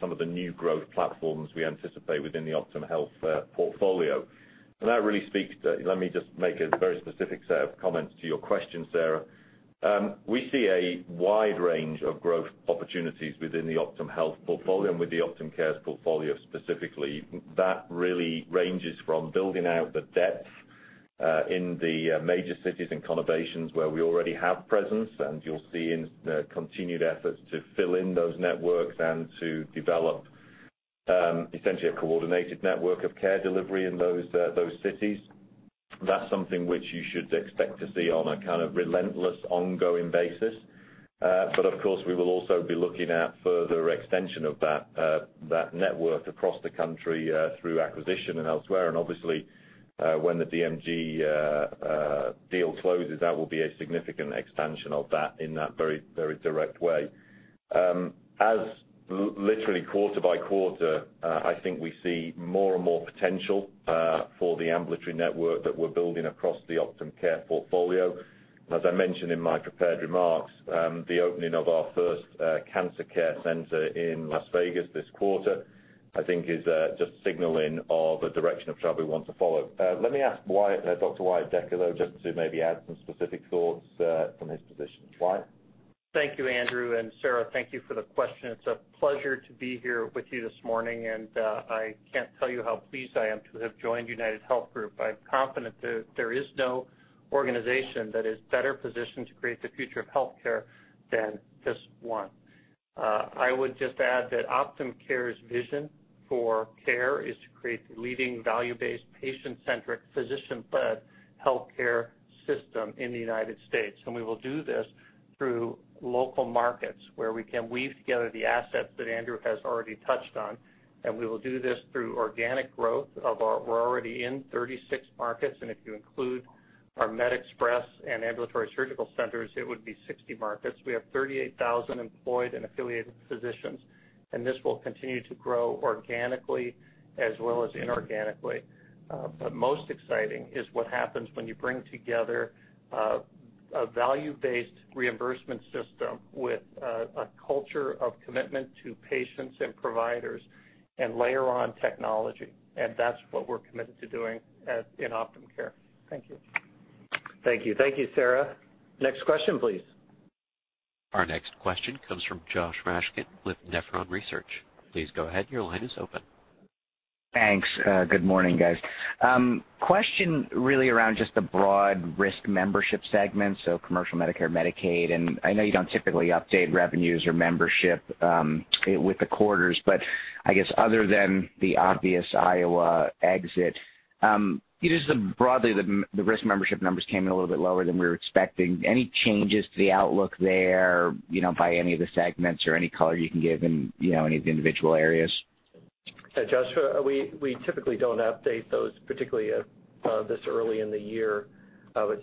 Speaker 3: some of the new growth platforms we anticipate within the OptumHealth portfolio. That really speaks to, let me just make a very specific set of comments to your question, Sarah. We see a wide range of growth opportunities within the OptumHealth portfolio and with the Optum Care portfolio specifically. That really ranges from building out the depth in the major cities and conurbations where we already have presence, you'll see in continued efforts to fill in those networks and to develop essentially a coordinated network of care delivery in those cities. That's something which you should expect to see on a kind of relentless, ongoing basis. Of course, we will also be looking at further extension of that network across the country through acquisition and elsewhere. Obviously, when the DMG deal closes, that will be a significant expansion of that in that very direct way. As literally quarter by quarter, I think we see more and more potential for the ambulatory network that we're building across the Optum Care portfolio. As I mentioned in my prepared remarks, the opening of our first Cancer Center in Las Vegas this quarter, I think is just signaling of a direction of travel we want to follow. Let me ask Wyatt, Dr. Wyatt Decker, though, just to maybe add some specific thoughts from his position. Wyatt?
Speaker 17: Thank you, Andrew. Sarah, thank you for the question. It's a pleasure to be here with you this morning, and I can't tell you how pleased I am to have joined UnitedHealth Group. I'm confident that there is no organization that is better positioned to create the future of healthcare than this one. I would just add that Optum Care's vision for care is to create the leading value-based, patient-centric, physician-led healthcare system in the U.S. We will do this through local markets where we can weave together the assets that Andrew has already touched on, we will do this through organic growth. We're already in 36 markets, and if you include our MedExpress and ambulatory surgical centers, it would be 60 markets. We have 38,000 employed and affiliated physicians, and this will continue to grow organically as well as inorganically. Most exciting is what happens when you bring together a value-based reimbursement system with a culture of commitment to patients and providers and layer on technology. That's what we're committed to doing in Optum Care. Thank you.
Speaker 2: Thank you. Thank you, Sarah. Next question, please.
Speaker 1: Our next question comes from Josh Raskin with Nephron Research. Please go ahead. Your line is open.
Speaker 18: Thanks. Good morning, guys. Question really around just the broad risk membership segment, so commercial Medicare, Medicaid. I know you don't typically update revenues or membership with the quarters, but I guess other than the obvious Iowa exit, just broadly, the risk membership numbers came in a little bit lower than we were expecting. Any changes to the outlook there by any of the segments or any color you can give in any of the individual areas?
Speaker 2: Josh, we typically don't update those, particularly this early in the year.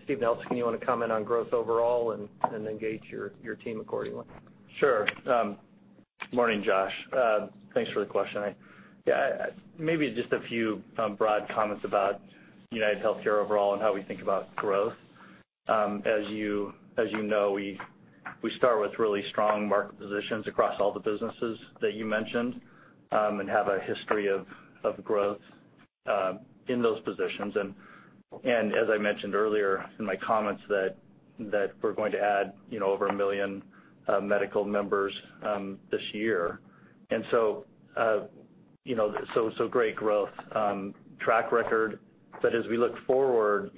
Speaker 2: Steve Nelson, you want to comment on growth overall and then gauge your team accordingly?
Speaker 4: Sure. Morning, Josh. Thanks for the question. Maybe just a few broad comments about UnitedHealthcare overall and how we think about growth. As you know, we start with really strong market positions across all the businesses that you mentioned and have a history of growth in those positions. As I mentioned earlier in my comments, that we're going to add over 1 million medical members this year. Great growth track record. As we look forward,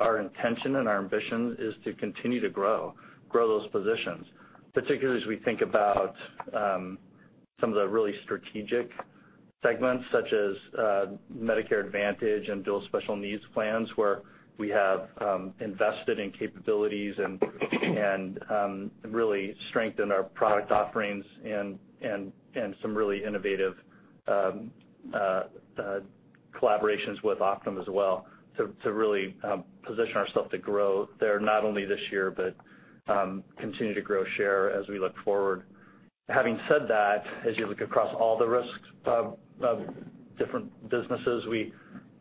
Speaker 4: our intention and our ambition is to continue to grow those positions, particularly as we think about some of the really strategic segments, such as Medicare Advantage and Dual Special Needs Plans, where we have invested in capabilities and really strengthened our product offerings and some really innovative collaborations with Optum as well to really position ourselves to grow there, not only this year but continue to grow share as we look forward. Having said that, as you look across all the risks of different businesses,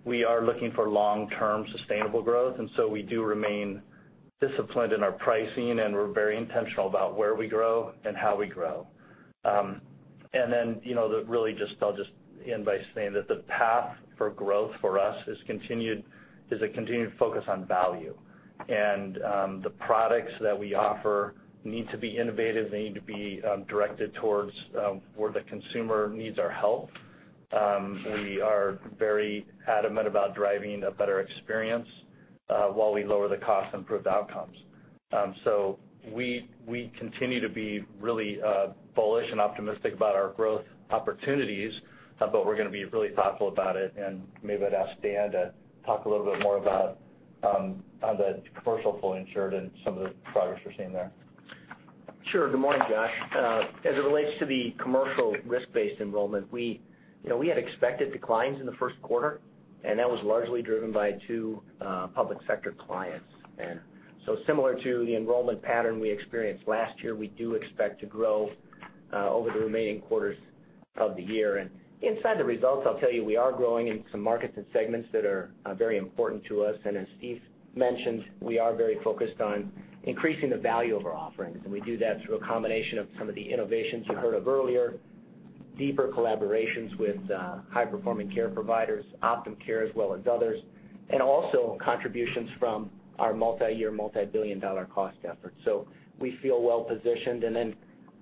Speaker 4: we are looking for long-term sustainable growth. We do remain disciplined in our pricing. We're very intentional about where we grow and how we grow. Really I'll just end by saying that the path for growth for us is a continued focus on value. The products that we offer need to be innovative. They need to be directed towards where the consumer needs our help. We are very adamant about driving a better experience while we lower the cost and improve the outcomes. We continue to be really bullish and optimistic about our growth opportunities, but we're going to be really thoughtful about it. Maybe I'd ask Dan to talk a little bit more about the commercial fully insured and some of the progress we're seeing there.
Speaker 9: Sure. Good morning, Josh. As it relates to the commercial risk-based enrollment, we had expected declines in the first quarter. That was largely driven by two public sector clients. Similar to the enrollment pattern we experienced last year, we do expect to grow over the remaining quarters of the year. Inside the results, I'll tell you, we are growing in some markets and segments that are very important to us. As Steve mentioned, we are very focused on increasing the value of our offerings. We do that through a combination of some of the innovations you heard of earlier, deeper collaborations with high-performing care providers, Optum Care, as well as others. Also contributions from our multi-year, multi-billion dollar cost efforts. We feel well positioned.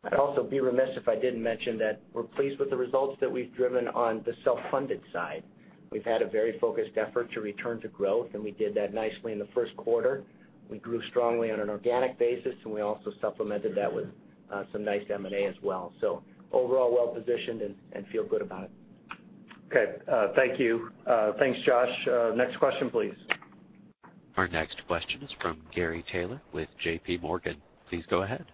Speaker 9: I'd also be remiss if I didn't mention that we're pleased with the results that we've driven on the self-funded side. We've had a very focused effort to return to growth, and we did that nicely in the first quarter. We grew strongly on an organic basis, and we also supplemented that with some nice M&A as well. Overall, well positioned and feel good about it.
Speaker 2: Okay. Thank you. Thanks, Josh. Next question, please.
Speaker 1: Our next question is from Gary Taylor with J.P. Morgan. Please go ahead.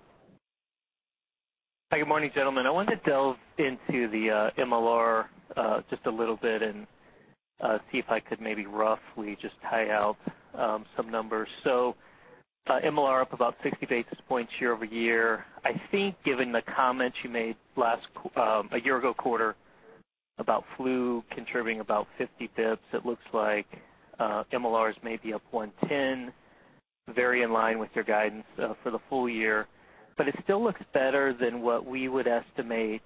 Speaker 19: Hi. Good morning, gentlemen. I wanted to delve into the MLR just a little bit and see if I could maybe roughly just tie out some numbers. MLR up about 60 basis points year-over-year. I think given the comments you made a year ago quarter about flu contributing about 50 basis points, it looks like MLRs may be up 110, very in line with your guidance for the full year. It still looks better than what we would estimate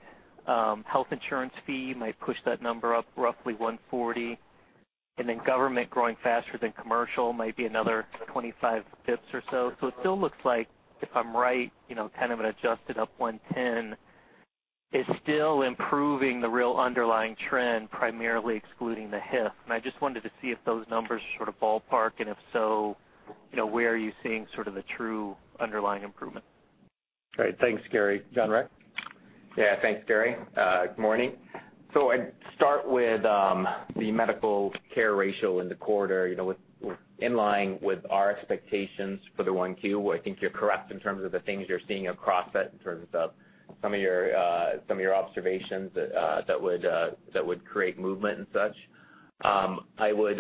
Speaker 19: Health Insurance Tax might push that number up roughly 140. Government growing faster than commercial, might be another 25 basis points or so. It still looks like, if I'm right, kind of an adjusted up 110 is still improving the real underlying trend, primarily excluding the HIF. I just wanted to see if those numbers sort of ballpark, and if so, where are you seeing sort of the true underlying improvement?
Speaker 2: Great. Thanks, Gary. John Rex?
Speaker 5: Yeah, thanks, Gary. Good morning. I'd start with the medical care ratio in the quarter. It was in line with our expectations for the one Q. I think you're correct in terms of the things you're seeing across it, in terms of some of your observations that would create movement and such. I would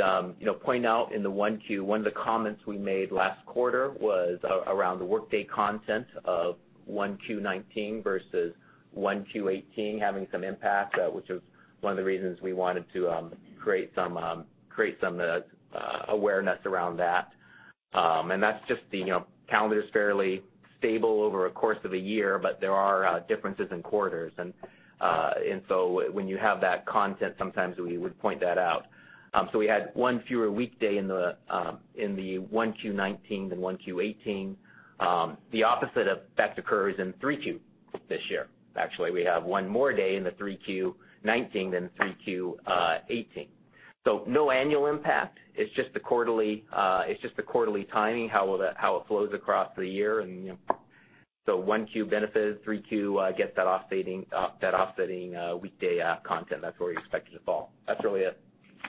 Speaker 5: point out in the one Q, one of the comments we made last quarter was around the workday content of one Q19 versus one Q18 having some impact, which was one of the reasons we wanted to create some awareness around that. That's just the calendar's fairly stable over a course of a year, but there are differences in quarters. When you have that content, sometimes we would point that out. We had one fewer weekday in the one Q19 than one Q18. The opposite effect occurs in three Q this year, actually. We have one more day in the three Q19 than three Q18. No annual impact. It's just the quarterly timing, how it flows across the year. One Q benefits, three Q gets that offsetting weekday content. That's where we expect it to fall. That's really it.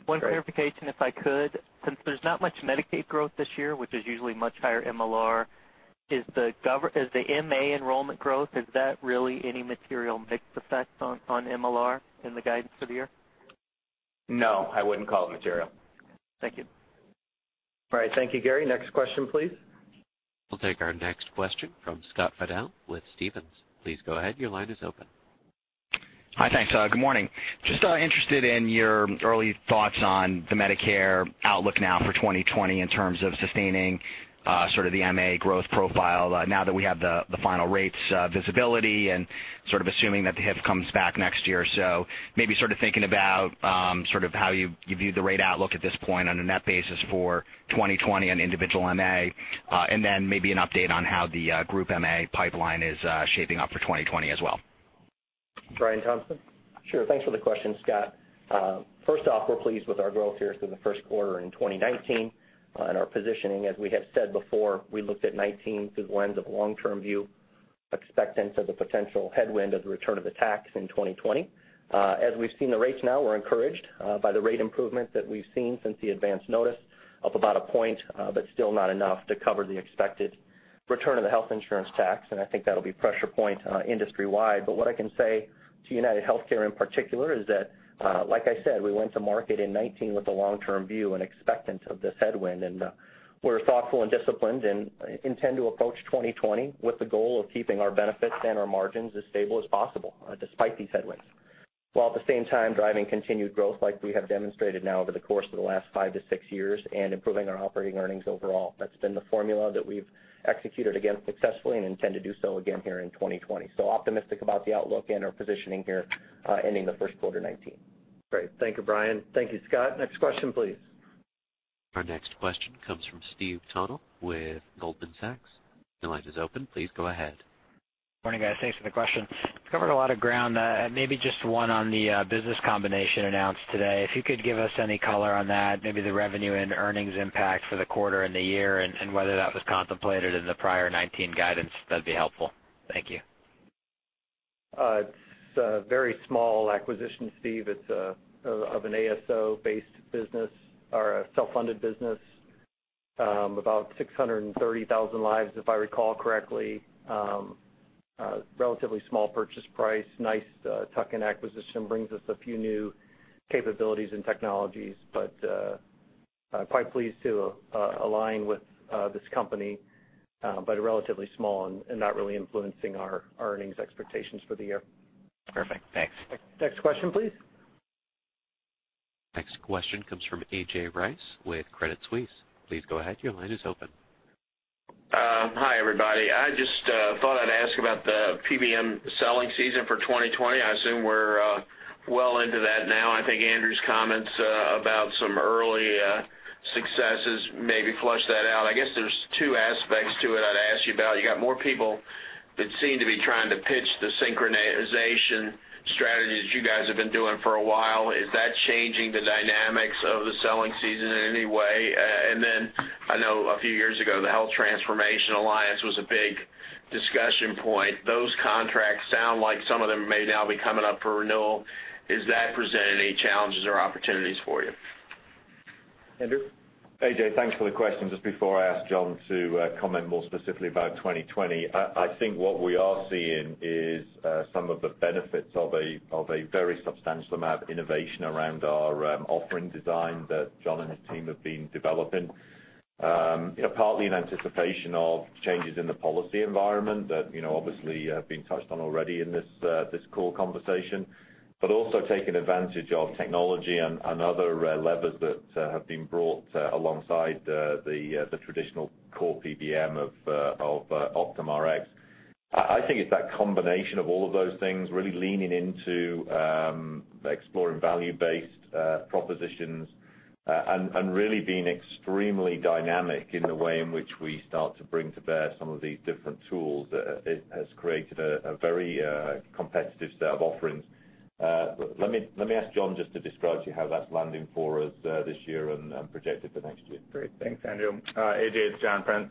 Speaker 19: One clarification, if I could. Since there's not much Medicaid growth this year, which is usually much higher MLR, is the MA enrollment growth, is that really any material mixed effect on MLR in the guidance for the year?
Speaker 5: No, I wouldn't call it material.
Speaker 19: Thank you.
Speaker 2: All right. Thank you, Gary. Next question, please.
Speaker 1: We'll take our next question from Scott Fidel with Stephens. Please go ahead. Your line is open.
Speaker 20: Hi. Thanks. Good morning. Just interested in your early thoughts on the Medicare outlook now for 2020 in terms of sustaining sort of the MA growth profile, now that we have the final rates visibility and sort of assuming that the HIF comes back next year or so. Maybe sort of thinking about how you view the rate outlook at this point on a net basis for 2020 and individual MA, and then maybe an update on how the group MA pipeline is shaping up for 2020 as well.
Speaker 2: Brian Thompson?
Speaker 13: Sure. Thanks for the question, Scott. First off, we're pleased with our growth here through the first quarter in 2019 and our positioning. As we have said before, we looked at 2019 through the lens of long-term view, expectant of the potential headwind of the return of the tax in 2020. As we've seen the rates now, we're encouraged by the rate improvement that we've seen since the advance notice, up about a point, but still not enough to cover the expected return of the Health Insurance Tax. I think that'll be pressure point industry-wide. What I can say to UnitedHealthcare in particular is that, like I said, we went to market in 2019 with a long-term view and expectant of this headwind, and we're thoughtful and disciplined and intend to approach 2020 with the goal of keeping our benefits and our margins as stable as possible, despite these headwinds, while at the same time driving continued growth like we have demonstrated now over the course of the last five to six years and improving our operating earnings overall. That's been the formula that we've executed again successfully and intend to do so again here in 2020. Optimistic about the outlook and our positioning here ending the first quarter 2019.
Speaker 2: Great. Thank you, Brian. Thank you, Scott. Next question, please.
Speaker 1: Our next question comes from Steve Tanal with Goldman Sachs. Your line is open. Please go ahead.
Speaker 21: Morning, guys. Thanks for the question. You've covered a lot of ground. Maybe just one on the business combination announced today. If you could give us any color on that, maybe the revenue and earnings impact for the quarter and the year and whether that was contemplated in the prior 2019 guidance, that'd be helpful. Thank you.
Speaker 2: It's a very small acquisition, Steve. It's of an ASO-based business or a self-funded business, about 630,000 lives, if I recall correctly. Relatively small purchase price. Nice tuck-in acquisition. Brings us a few new capabilities and technologies, quite pleased to align with this company. Relatively small and not really influencing our earnings expectations for the year.
Speaker 21: Perfect. Thanks.
Speaker 2: Next question, please.
Speaker 1: Next question comes from A.J. Rice with Credit Suisse. Please go ahead. Your line is open.
Speaker 22: Hi, everybody. I just thought I'd ask about the PBM selling season for 2020. I assume we're well into that now. I think Andrew's comments about some early successes maybe flushed that out. I guess there's two aspects to it I'd ask you about. You got more people that seem to be trying to pitch the synchronization strategies you guys have been doing for a while. Is that changing the dynamics of the selling season in any way? Then I know a few years ago, the Health Transformation Alliance was a big discussion point. Those contracts sound like some of them may now be coming up for renewal. Is that presenting any challenges or opportunities for you?
Speaker 2: Andrew?
Speaker 3: AJ, thanks for the question. Just before I ask Jon to comment more specifically about 2020, I think what we are seeing is some of the benefits of a very substantial amount of innovation around our offering design that Jon and his team have been developing. Partly in anticipation of changes in the policy environment that obviously have been touched on already in this call conversation, also taking advantage of technology and other levers that have been brought alongside the traditional core PBM of OptumRx. I think it's that combination of all of those things, really leaning into exploring value-based propositions, really being extremely dynamic in the way in which we start to bring to bear some of these different tools. It has created a very competitive set of offerings. Let me ask Jon just to describe to you how that's landing for us this year and projected for next year.
Speaker 7: Great. Thanks, Andrew. AJ, it's John Prince.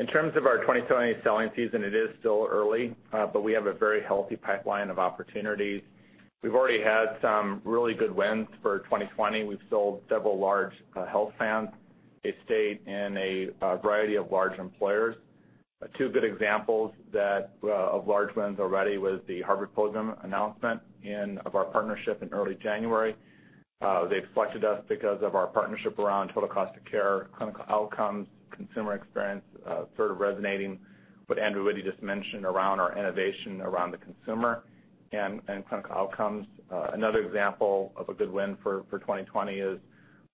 Speaker 7: In terms of our 2020 selling season, it is still early, we have a very healthy pipeline of opportunities. We've already had some really good wins for 2020. We've sold several large health plans, a state, a variety of large employers. Two good examples of large wins already was the Harvard Pilgrim announcement of our partnership in early January. They've selected us because of our partnership around total cost of care, clinical outcomes, consumer experience, sort of resonating what Andrew already just mentioned around our innovation, around the consumer, clinical outcomes. Another example of a good win for 2020 is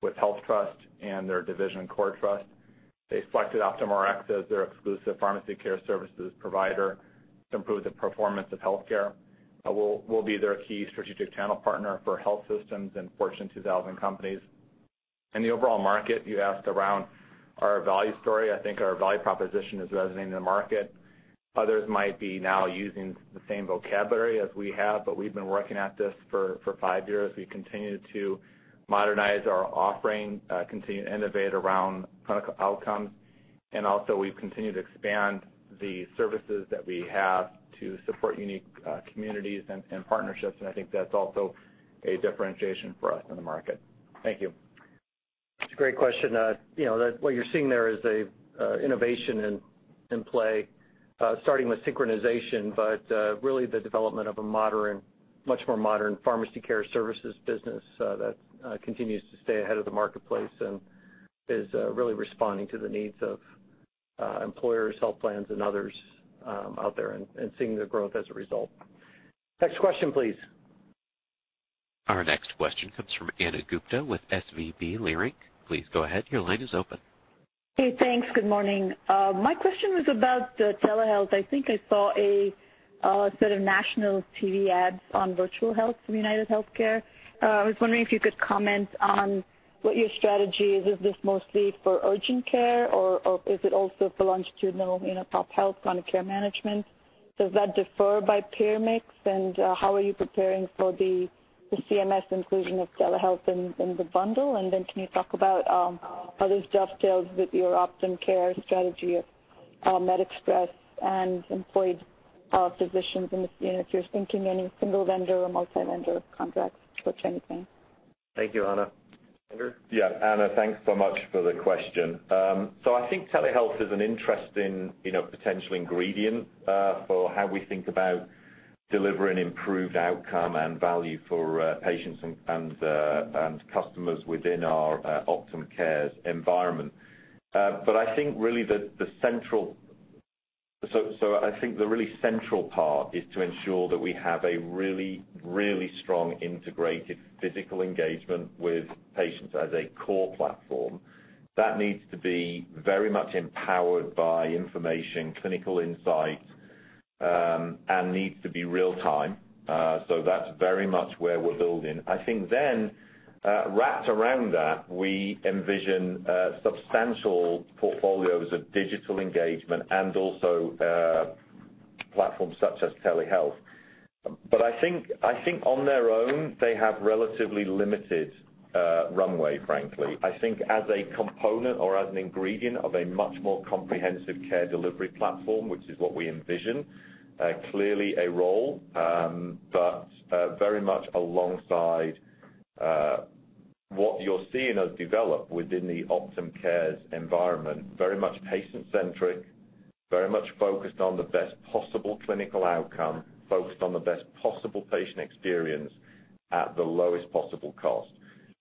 Speaker 7: with HealthTrust and their division, CoreTrust. They selected OptumRx as their exclusive pharmacy care services provider to improve the performance of healthcare. We'll be their key strategic channel partner for health systems and Fortune 500 companies. In the overall market, you asked around our value story. I think our value proposition is resonating in the market. Others might be now using the same vocabulary as we have, but we've been working at this for five years. We continue to modernize our offering, continue to innovate around clinical outcomes, and also, we've continued to expand the services that we have to support unique communities and partnerships, and I think that's also a differentiation for us in the market. Thank you.
Speaker 2: It's a great question. What you're seeing there is innovation in play, starting with synchronization, but really the development of a much more modern pharmacy care services business that continues to stay ahead of the marketplace and is really responding to the needs of employers, health plans, and others out there, and seeing the growth as a result. Next question, please.
Speaker 1: Our next question comes from Ana Gupte with SVB Leerink. Please go ahead. Your line is open.
Speaker 23: Hey, thanks. Good morning. My question was about telehealth. I think I saw a set of national TV ads on virtual health from UnitedHealthcare. I was wondering if you could comment on what your strategy is. Is this mostly for urgent care, or is it also for longitudinal pop health chronic care management? Does that differ by peer mix? How are you preparing for the CMS inclusion of telehealth in the bundle? Can you talk about how this dovetails with your Optum Care strategy of MedExpress and employed physicians in the scene, if you're thinking any single vendor or multi-vendor contracts for anything.
Speaker 2: Thank you, Ana. Andrew?
Speaker 3: Yeah. Ana, thanks so much for the question. I think telehealth is an interesting potential ingredient for how we think about delivering improved outcome and value for patients and customers within our Optum Care environment. I think the really central part is to ensure that we have a really, really strong integrated physical engagement with patients as a core platform. That needs to be very much empowered by information, clinical insight, and needs to be real time. That's very much where we're building. I think, wrapped around that, we envision substantial portfolios of digital engagement and also platforms such as telehealth. I think on their own, they have relatively limited runway, frankly. I think as a component or as an ingredient of a much more comprehensive care delivery platform, which is what we envision, clearly a role, but very much alongside what you're seeing us develop within the Optum Care environment. Very much patient centric, very much focused on the best possible clinical outcome, focused on the best possible patient experience at the lowest possible cost.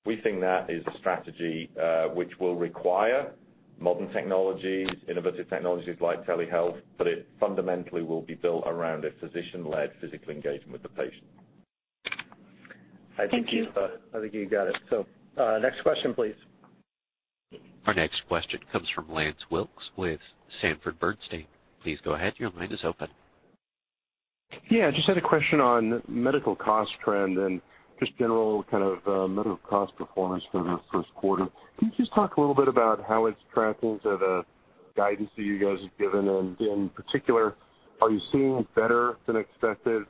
Speaker 3: We think that is a strategy which will require modern technologies, innovative technologies like telehealth, but it fundamentally will be built around a physician-led physical engagement with the patient.
Speaker 23: Thank you.
Speaker 2: I think you got it. Next question, please.
Speaker 1: Our next question comes from Lance Wilkes with Sanford Bernstein. Please go ahead. Your line is open.
Speaker 24: Yeah, just had a question on medical cost trend and just general kind of medical cost performance for the first quarter. Can you just talk a little bit about how it's tracking to the guidance that you guys have given? In particular, are you seeing better than expected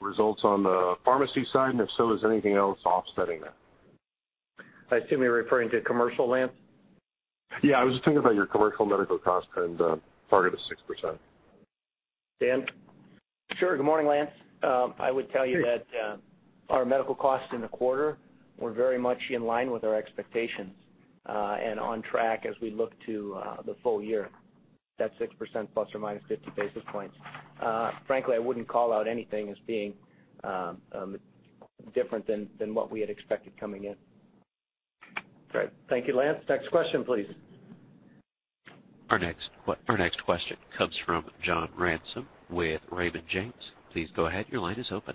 Speaker 24: results on the pharmacy side? And if so, is anything else offsetting that?
Speaker 2: I assume you're referring to commercial, Lance?
Speaker 24: Yeah, I was just thinking about your commercial medical cost trend target of 6%.
Speaker 2: Dan?
Speaker 9: Sure. Good morning, Lance. I would tell you that our medical costs in the quarter were very much in line with our expectations, and on track as we look to the full year. That's 6% plus or minus 50 basis points. Frankly, I wouldn't call out anything as being different than what we had expected coming in.
Speaker 2: Great. Thank you, Lance. Next question, please.
Speaker 1: Our next question comes from John Ransom with Raymond James. Please go ahead. Your line is open.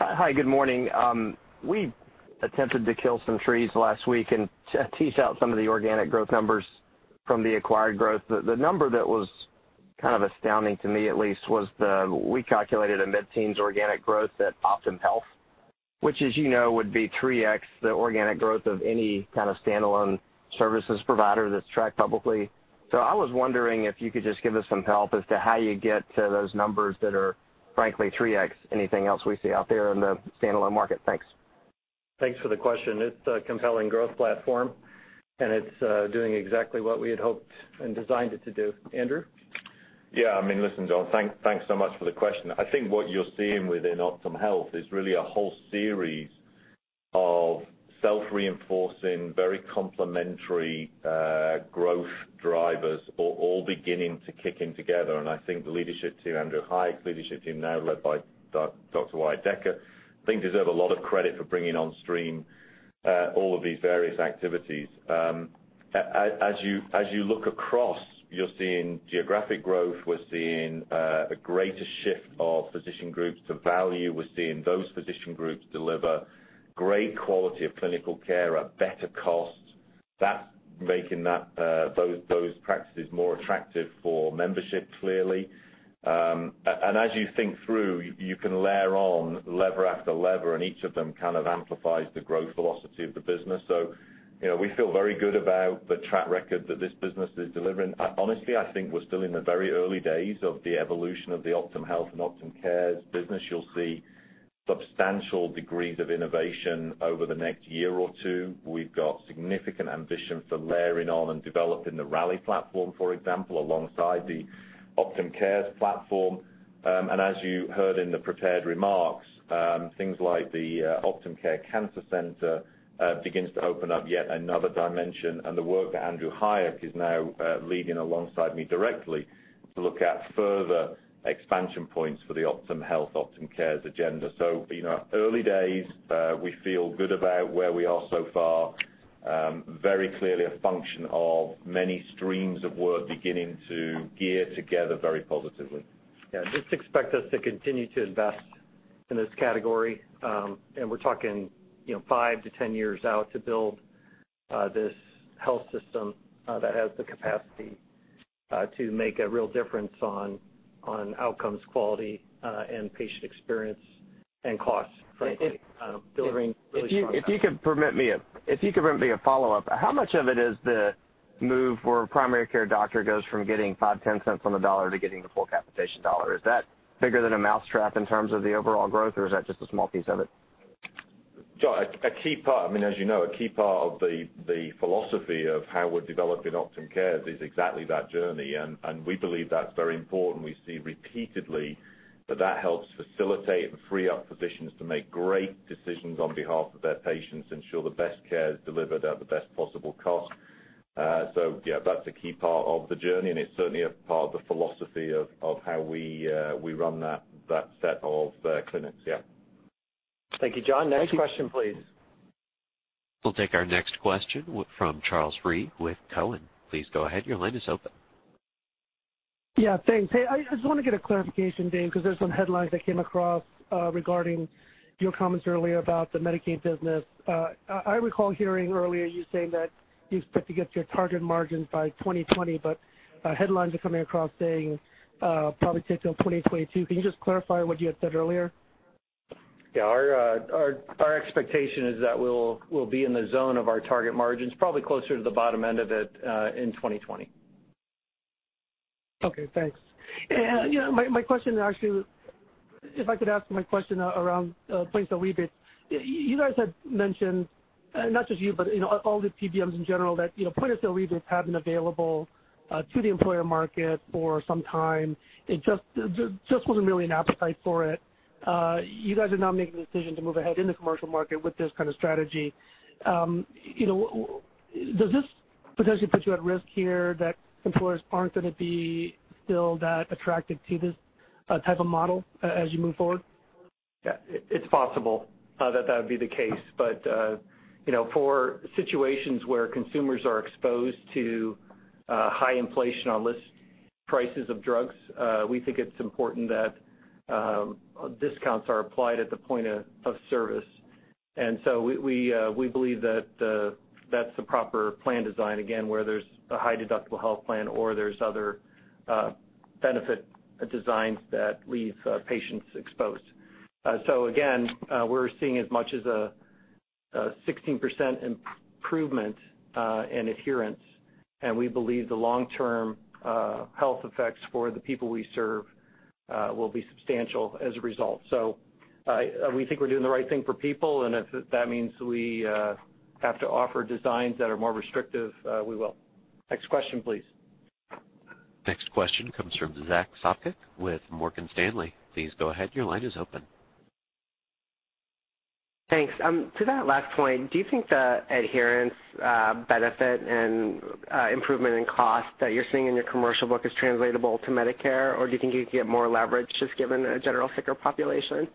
Speaker 25: Hi, good morning. We attempted to kill some trees last week and tease out some of the organic growth numbers from the acquired growth. The number that was kind of astounding to me at least was, we calculated a mid-teens organic growth at OptumHealth, which as you know, would be 3X the organic growth of any kind of standalone services provider that's tracked publicly. I was wondering if you could just give us some help as to how you get to those numbers that are frankly 3X anything else we see out there in the standalone market. Thanks.
Speaker 2: Thanks for the question. It's a compelling growth platform, and it's doing exactly what we had hoped and designed it to do. Andrew?
Speaker 3: Yeah, listen, John, thanks so much for the question. I think what you're seeing within OptumHealth is really a whole series of self-reinforcing, very complementary, growth drivers, all beginning to kick in together. I think the leadership team, Andrew Hayek's leadership team, now led by Dr. Wyatt Decker, I think deserve a lot of credit for bringing on stream all of these various activities. As you look across, you're seeing geographic growth. We're seeing a greater shift of physician groups to value. We're seeing those physician groups deliver great quality of clinical care at better costs. That's making those practices more attractive for membership, clearly. As you think through, you can layer on lever after lever, and each of them kind of amplifies the growth velocity of the business. We feel very good about the track record that this business is delivering. Honestly, I think we're still in the very early days of the evolution of the OptumHealth and Optum Care business. You'll see substantial degrees of innovation over the next year or two. We've got significant ambition for layering on and developing the Rally platform, for example, alongside the Optum Care platform. As you heard in the prepared remarks, things like the Optum Care Cancer Center begins to open up yet another dimension, and the work that Andrew Hayek is now leading alongside me directly to look at further expansion points for the OptumHealth, Optum Care agenda. Early days. We feel good about where we are so far. Very clearly a function of many streams of work beginning to gear together very positively.
Speaker 2: Just expect us to continue to invest in this category. We're talking 5 to 10 years out to build this health system that has the capacity to make a real difference on outcomes quality, and patient experience and costs, frankly, delivering really strong-
Speaker 25: If you could permit me a follow-up. How much of it is the move where a primary care doctor goes from getting $0.05, $0.10 on the dollar to getting the full capitation dollar? Is that bigger than a mousetrap in terms of the overall growth, or is that just a small piece of it?
Speaker 3: John, as you know, a key part of the philosophy of how we're developing Optum Care is exactly that journey, we believe that's very important. We see repeatedly that that helps facilitate and free up physicians to make great decisions on behalf of their patients, ensure the best care is delivered at the best possible cost. Yeah, that's a key part of the journey, and it's certainly a part of the philosophy of how we run that set of clinics. Yeah.
Speaker 2: Thank you, John. Next question, please.
Speaker 1: We'll take our next question from Charles Rhyee with Cowen. Please go ahead. Your line is open.
Speaker 26: Yeah, thanks. Hey, I just want to get a clarification, Dave, because there's some headlines that came across regarding your comments earlier about the Medicaid business. I recall hearing earlier you saying that you expect to get to your target margins by 2020, but headlines are coming across saying probably take till 2022. Can you just clarify what you had said earlier?
Speaker 2: Yeah. Our expectation is that we'll be in the zone of our target margins, probably closer to the bottom end of it, in 2020.
Speaker 26: Okay, thanks. My question actually, if I could ask my question around point-of-sale rebates. You guys had mentioned, not just you, but all the PBMs in general, that point-of-sale rebates have been available to the employer market for some time. It just wasn't really an appetite for it. You guys are now making the decision to move ahead in the commercial market with this kind of strategy. Does this potentially put you at risk here that employers aren't going to be still that attracted to this type of model as you move forward?
Speaker 2: It's possible that that would be the case. For situations where consumers are exposed to high inflation on list prices of drugs, we think it's important that discounts are applied at the point of service. We believe that that's the proper plan design, again, where there's a high deductible health plan or there's other benefit designs that leave patients exposed. Again, we're seeing as much as a 16% improvement in adherence, and we believe the long-term health effects for the people we serve will be substantial as a result. We think we're doing the right thing for people, and if that means we have to offer designs that are more restrictive, we will. Next question, please.
Speaker 1: Next question comes from Zack Sopcak with Morgan Stanley. Please go ahead. Your line is open.
Speaker 27: Thanks. To that last point, do you think the adherence benefit and improvement in cost that you're seeing in your commercial book is translatable to Medicare, or do you think you could get more leverage just given a general sicker population?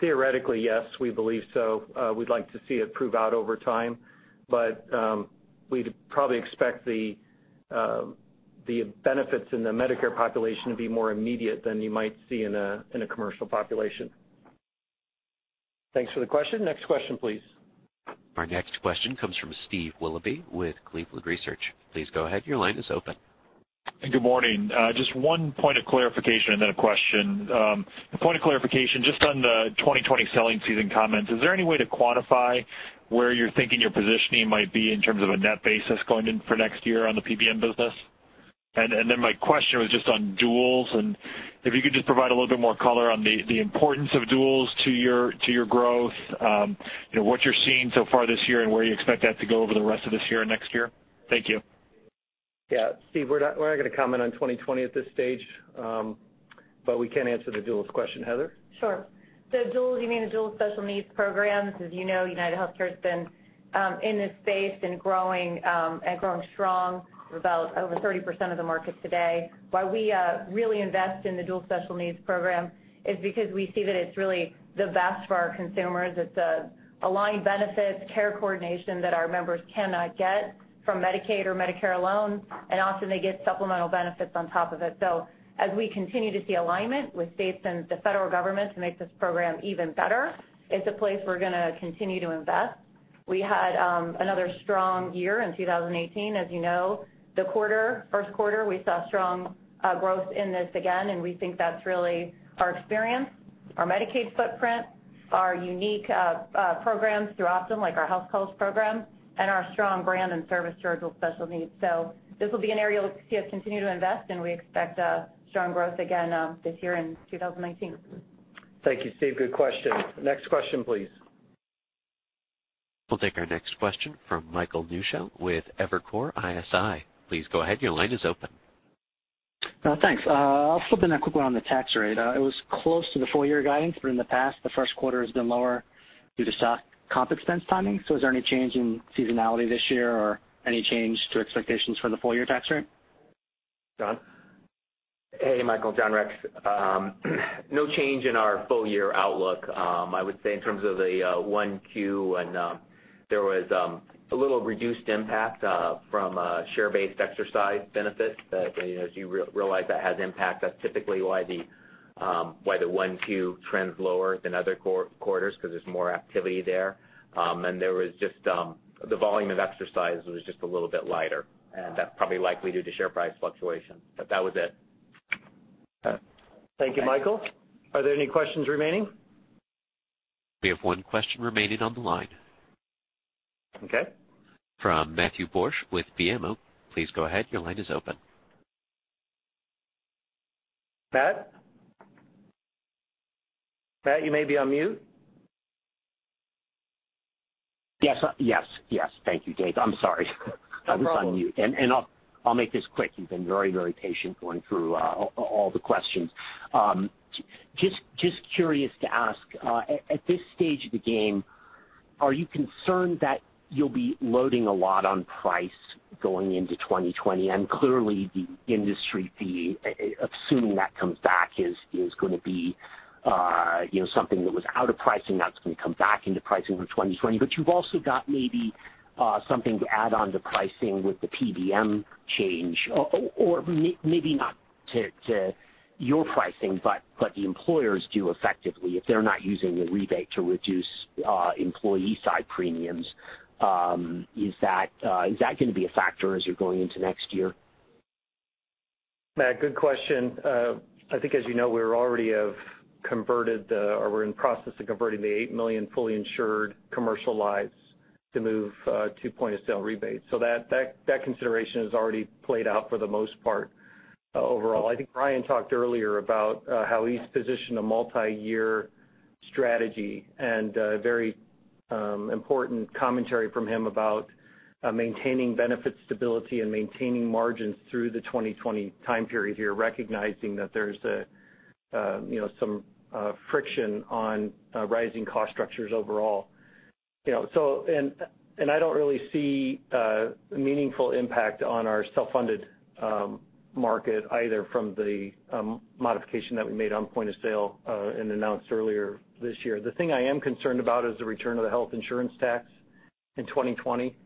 Speaker 2: Theoretically, yes, we believe so. We'd like to see it prove out over time. We'd probably expect the benefits in the Medicare population will be more immediate than you might see in a commercial population. Thanks for the question. Next question, please.
Speaker 1: Our next question comes from Steve Willoughby with Cleveland Research. Please go ahead. Your line is open.
Speaker 28: Good morning. Just one point of clarification and then a question. The point of clarification, just on the 2020 selling season comments, is there any way to quantify where you're thinking your positioning might be in terms of a net basis going in for next year on the PBM business? My question was just on duals, and if you could just provide a little bit more color on the importance of duals to your growth, what you're seeing so far this year, and where you expect that to go over the rest of this year and next year. Thank you.
Speaker 2: Yeah, Steve, we're not going to comment on 2020 at this stage, we can answer the duals question. Heather?
Speaker 10: Sure. Duals, you mean the Dual Special Needs Programs. As you know, UnitedHealthcare's been in this space and growing strong, we're about over 30% of the market today. Why we really invest in the Dual Special Needs Program is because we see that it's really the best for our consumers. It's aligned benefits, care coordination that our members cannot get from Medicaid or Medicare alone, often they get supplemental benefits on top of it. As we continue to see alignment with states and the federal government to make this program even better, it's a place we're going to continue to invest. We had another strong year in 2018. As you know, the first quarter, we saw strong growth in this again, and we think that's really our experience, our Medicaid footprint, our unique programs through Optum, like our HouseCalls program, and our strong brand and service to our Dual Special Needs. This will be an area you'll see us continue to invest in. We expect strong growth again this year in 2019.
Speaker 2: Thank you, Steve. Good question. Next question, please.
Speaker 1: We'll take our next question from Michael Newshel with Evercore ISI. Please go ahead. Your line is open.
Speaker 29: Thanks. I'll flip in a quick one on the tax rate. It was close to the full year guidance, but in the past, the first quarter has been lower due to stock comp expense timing. Is there any change in seasonality this year, or any change to expectations for the full year tax rate?
Speaker 2: John?
Speaker 5: Hey, Michael. John Rex. No change in our full year outlook. I would say in terms of a 1Q, there was a little reduced impact from share-based exercise benefits that as you realize that has impact. That is typically why the 1Q trends lower than other quarters, because there is more activity there. The volume of exercise was just a little bit lighter, and that is probably likely due to share price fluctuation. That was it.
Speaker 2: Thank you, Michael. Are there any questions remaining?
Speaker 1: We have one question remaining on the line.
Speaker 2: Okay.
Speaker 1: From Matt Borsch with BMO. Please go ahead. Your line is open.
Speaker 2: Matt? Matt, you may be on mute.
Speaker 30: Yes. Thank you, Dave. I'm sorry.
Speaker 2: No problem.
Speaker 30: I was on mute. I'll make this quick. You've been very patient going through all the questions. Just curious to ask, at this stage of the game, are you concerned that you'll be loading a lot on price going into 2020? Clearly the industry fee, assuming that comes back, is going to be something that was out of pricing that's going to come back into pricing for 2020. You've also got maybe something to add on to pricing with the PBM change, or maybe not to your pricing, but the employers do effectively, if they're not using the rebate to reduce employee side premiums. Is that going to be a factor as you're going into next year?
Speaker 2: Matt, good question. I think as you know, we already have converted the, or we're in process of converting the 8 million fully insured commercial lives to move to point-of-sale rebates. That consideration is already played out for the most part overall. I think Brian talked earlier about how he's positioned a multi-year strategy and very important commentary from him about maintaining benefit stability and maintaining margins through the 2020 time period here, recognizing that there's some friction on rising cost structures overall. I don't really see a meaningful impact on our self-funded market, either from the modification that we made on point-of-sale and announced earlier this year. The thing I am concerned about is the return of the Health Insurance Tax in 2020.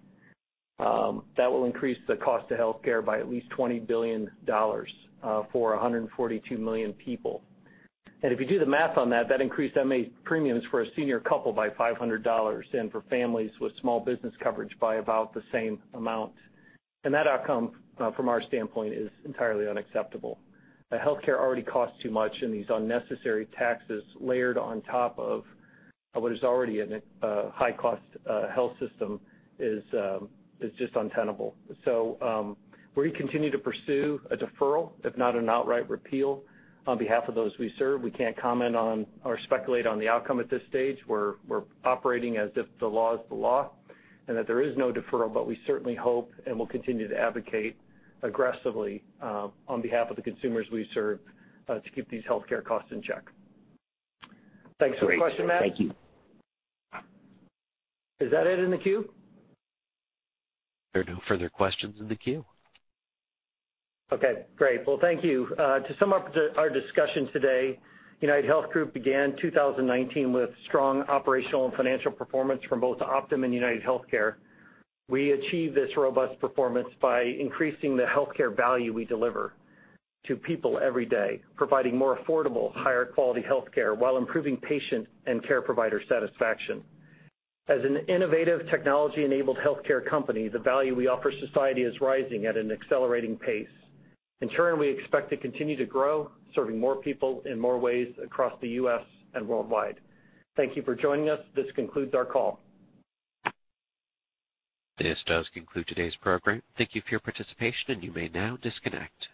Speaker 2: That will increase the cost of healthcare by at least $20 billion for 142 million people. If you do the math on that increased MA premiums for a senior couple by $500, and for families with small business coverage by about the same amount. That outcome, from our standpoint, is entirely unacceptable. Healthcare already costs too much, and these unnecessary taxes layered on top of what is already a high-cost health system is just untenable. We continue to pursue a deferral, if not an outright repeal, on behalf of those we serve. We can't comment on or speculate on the outcome at this stage. We're operating as if the law is the law and that there is no deferral. We certainly hope and will continue to advocate aggressively on behalf of the consumers we serve to keep these healthcare costs in check. Thanks for the question, Matt.
Speaker 30: Thank you.
Speaker 2: Is that it in the queue?
Speaker 1: There are no further questions in the queue.
Speaker 2: Okay, great. Well, thank you. To sum up our discussion today, UnitedHealth Group began 2019 with strong operational and financial performance from both Optum and UnitedHealthcare. We achieved this robust performance by increasing the healthcare value we deliver to people every day, providing more affordable, higher quality healthcare while improving patient and care provider satisfaction. As an innovative technology-enabled healthcare company, the value we offer society is rising at an accelerating pace. In turn, we expect to continue to grow, serving more people in more ways across the U.S. and worldwide. Thank you for joining us. This concludes our call.
Speaker 1: This does conclude today's program. Thank you for your participation, and you may now disconnect.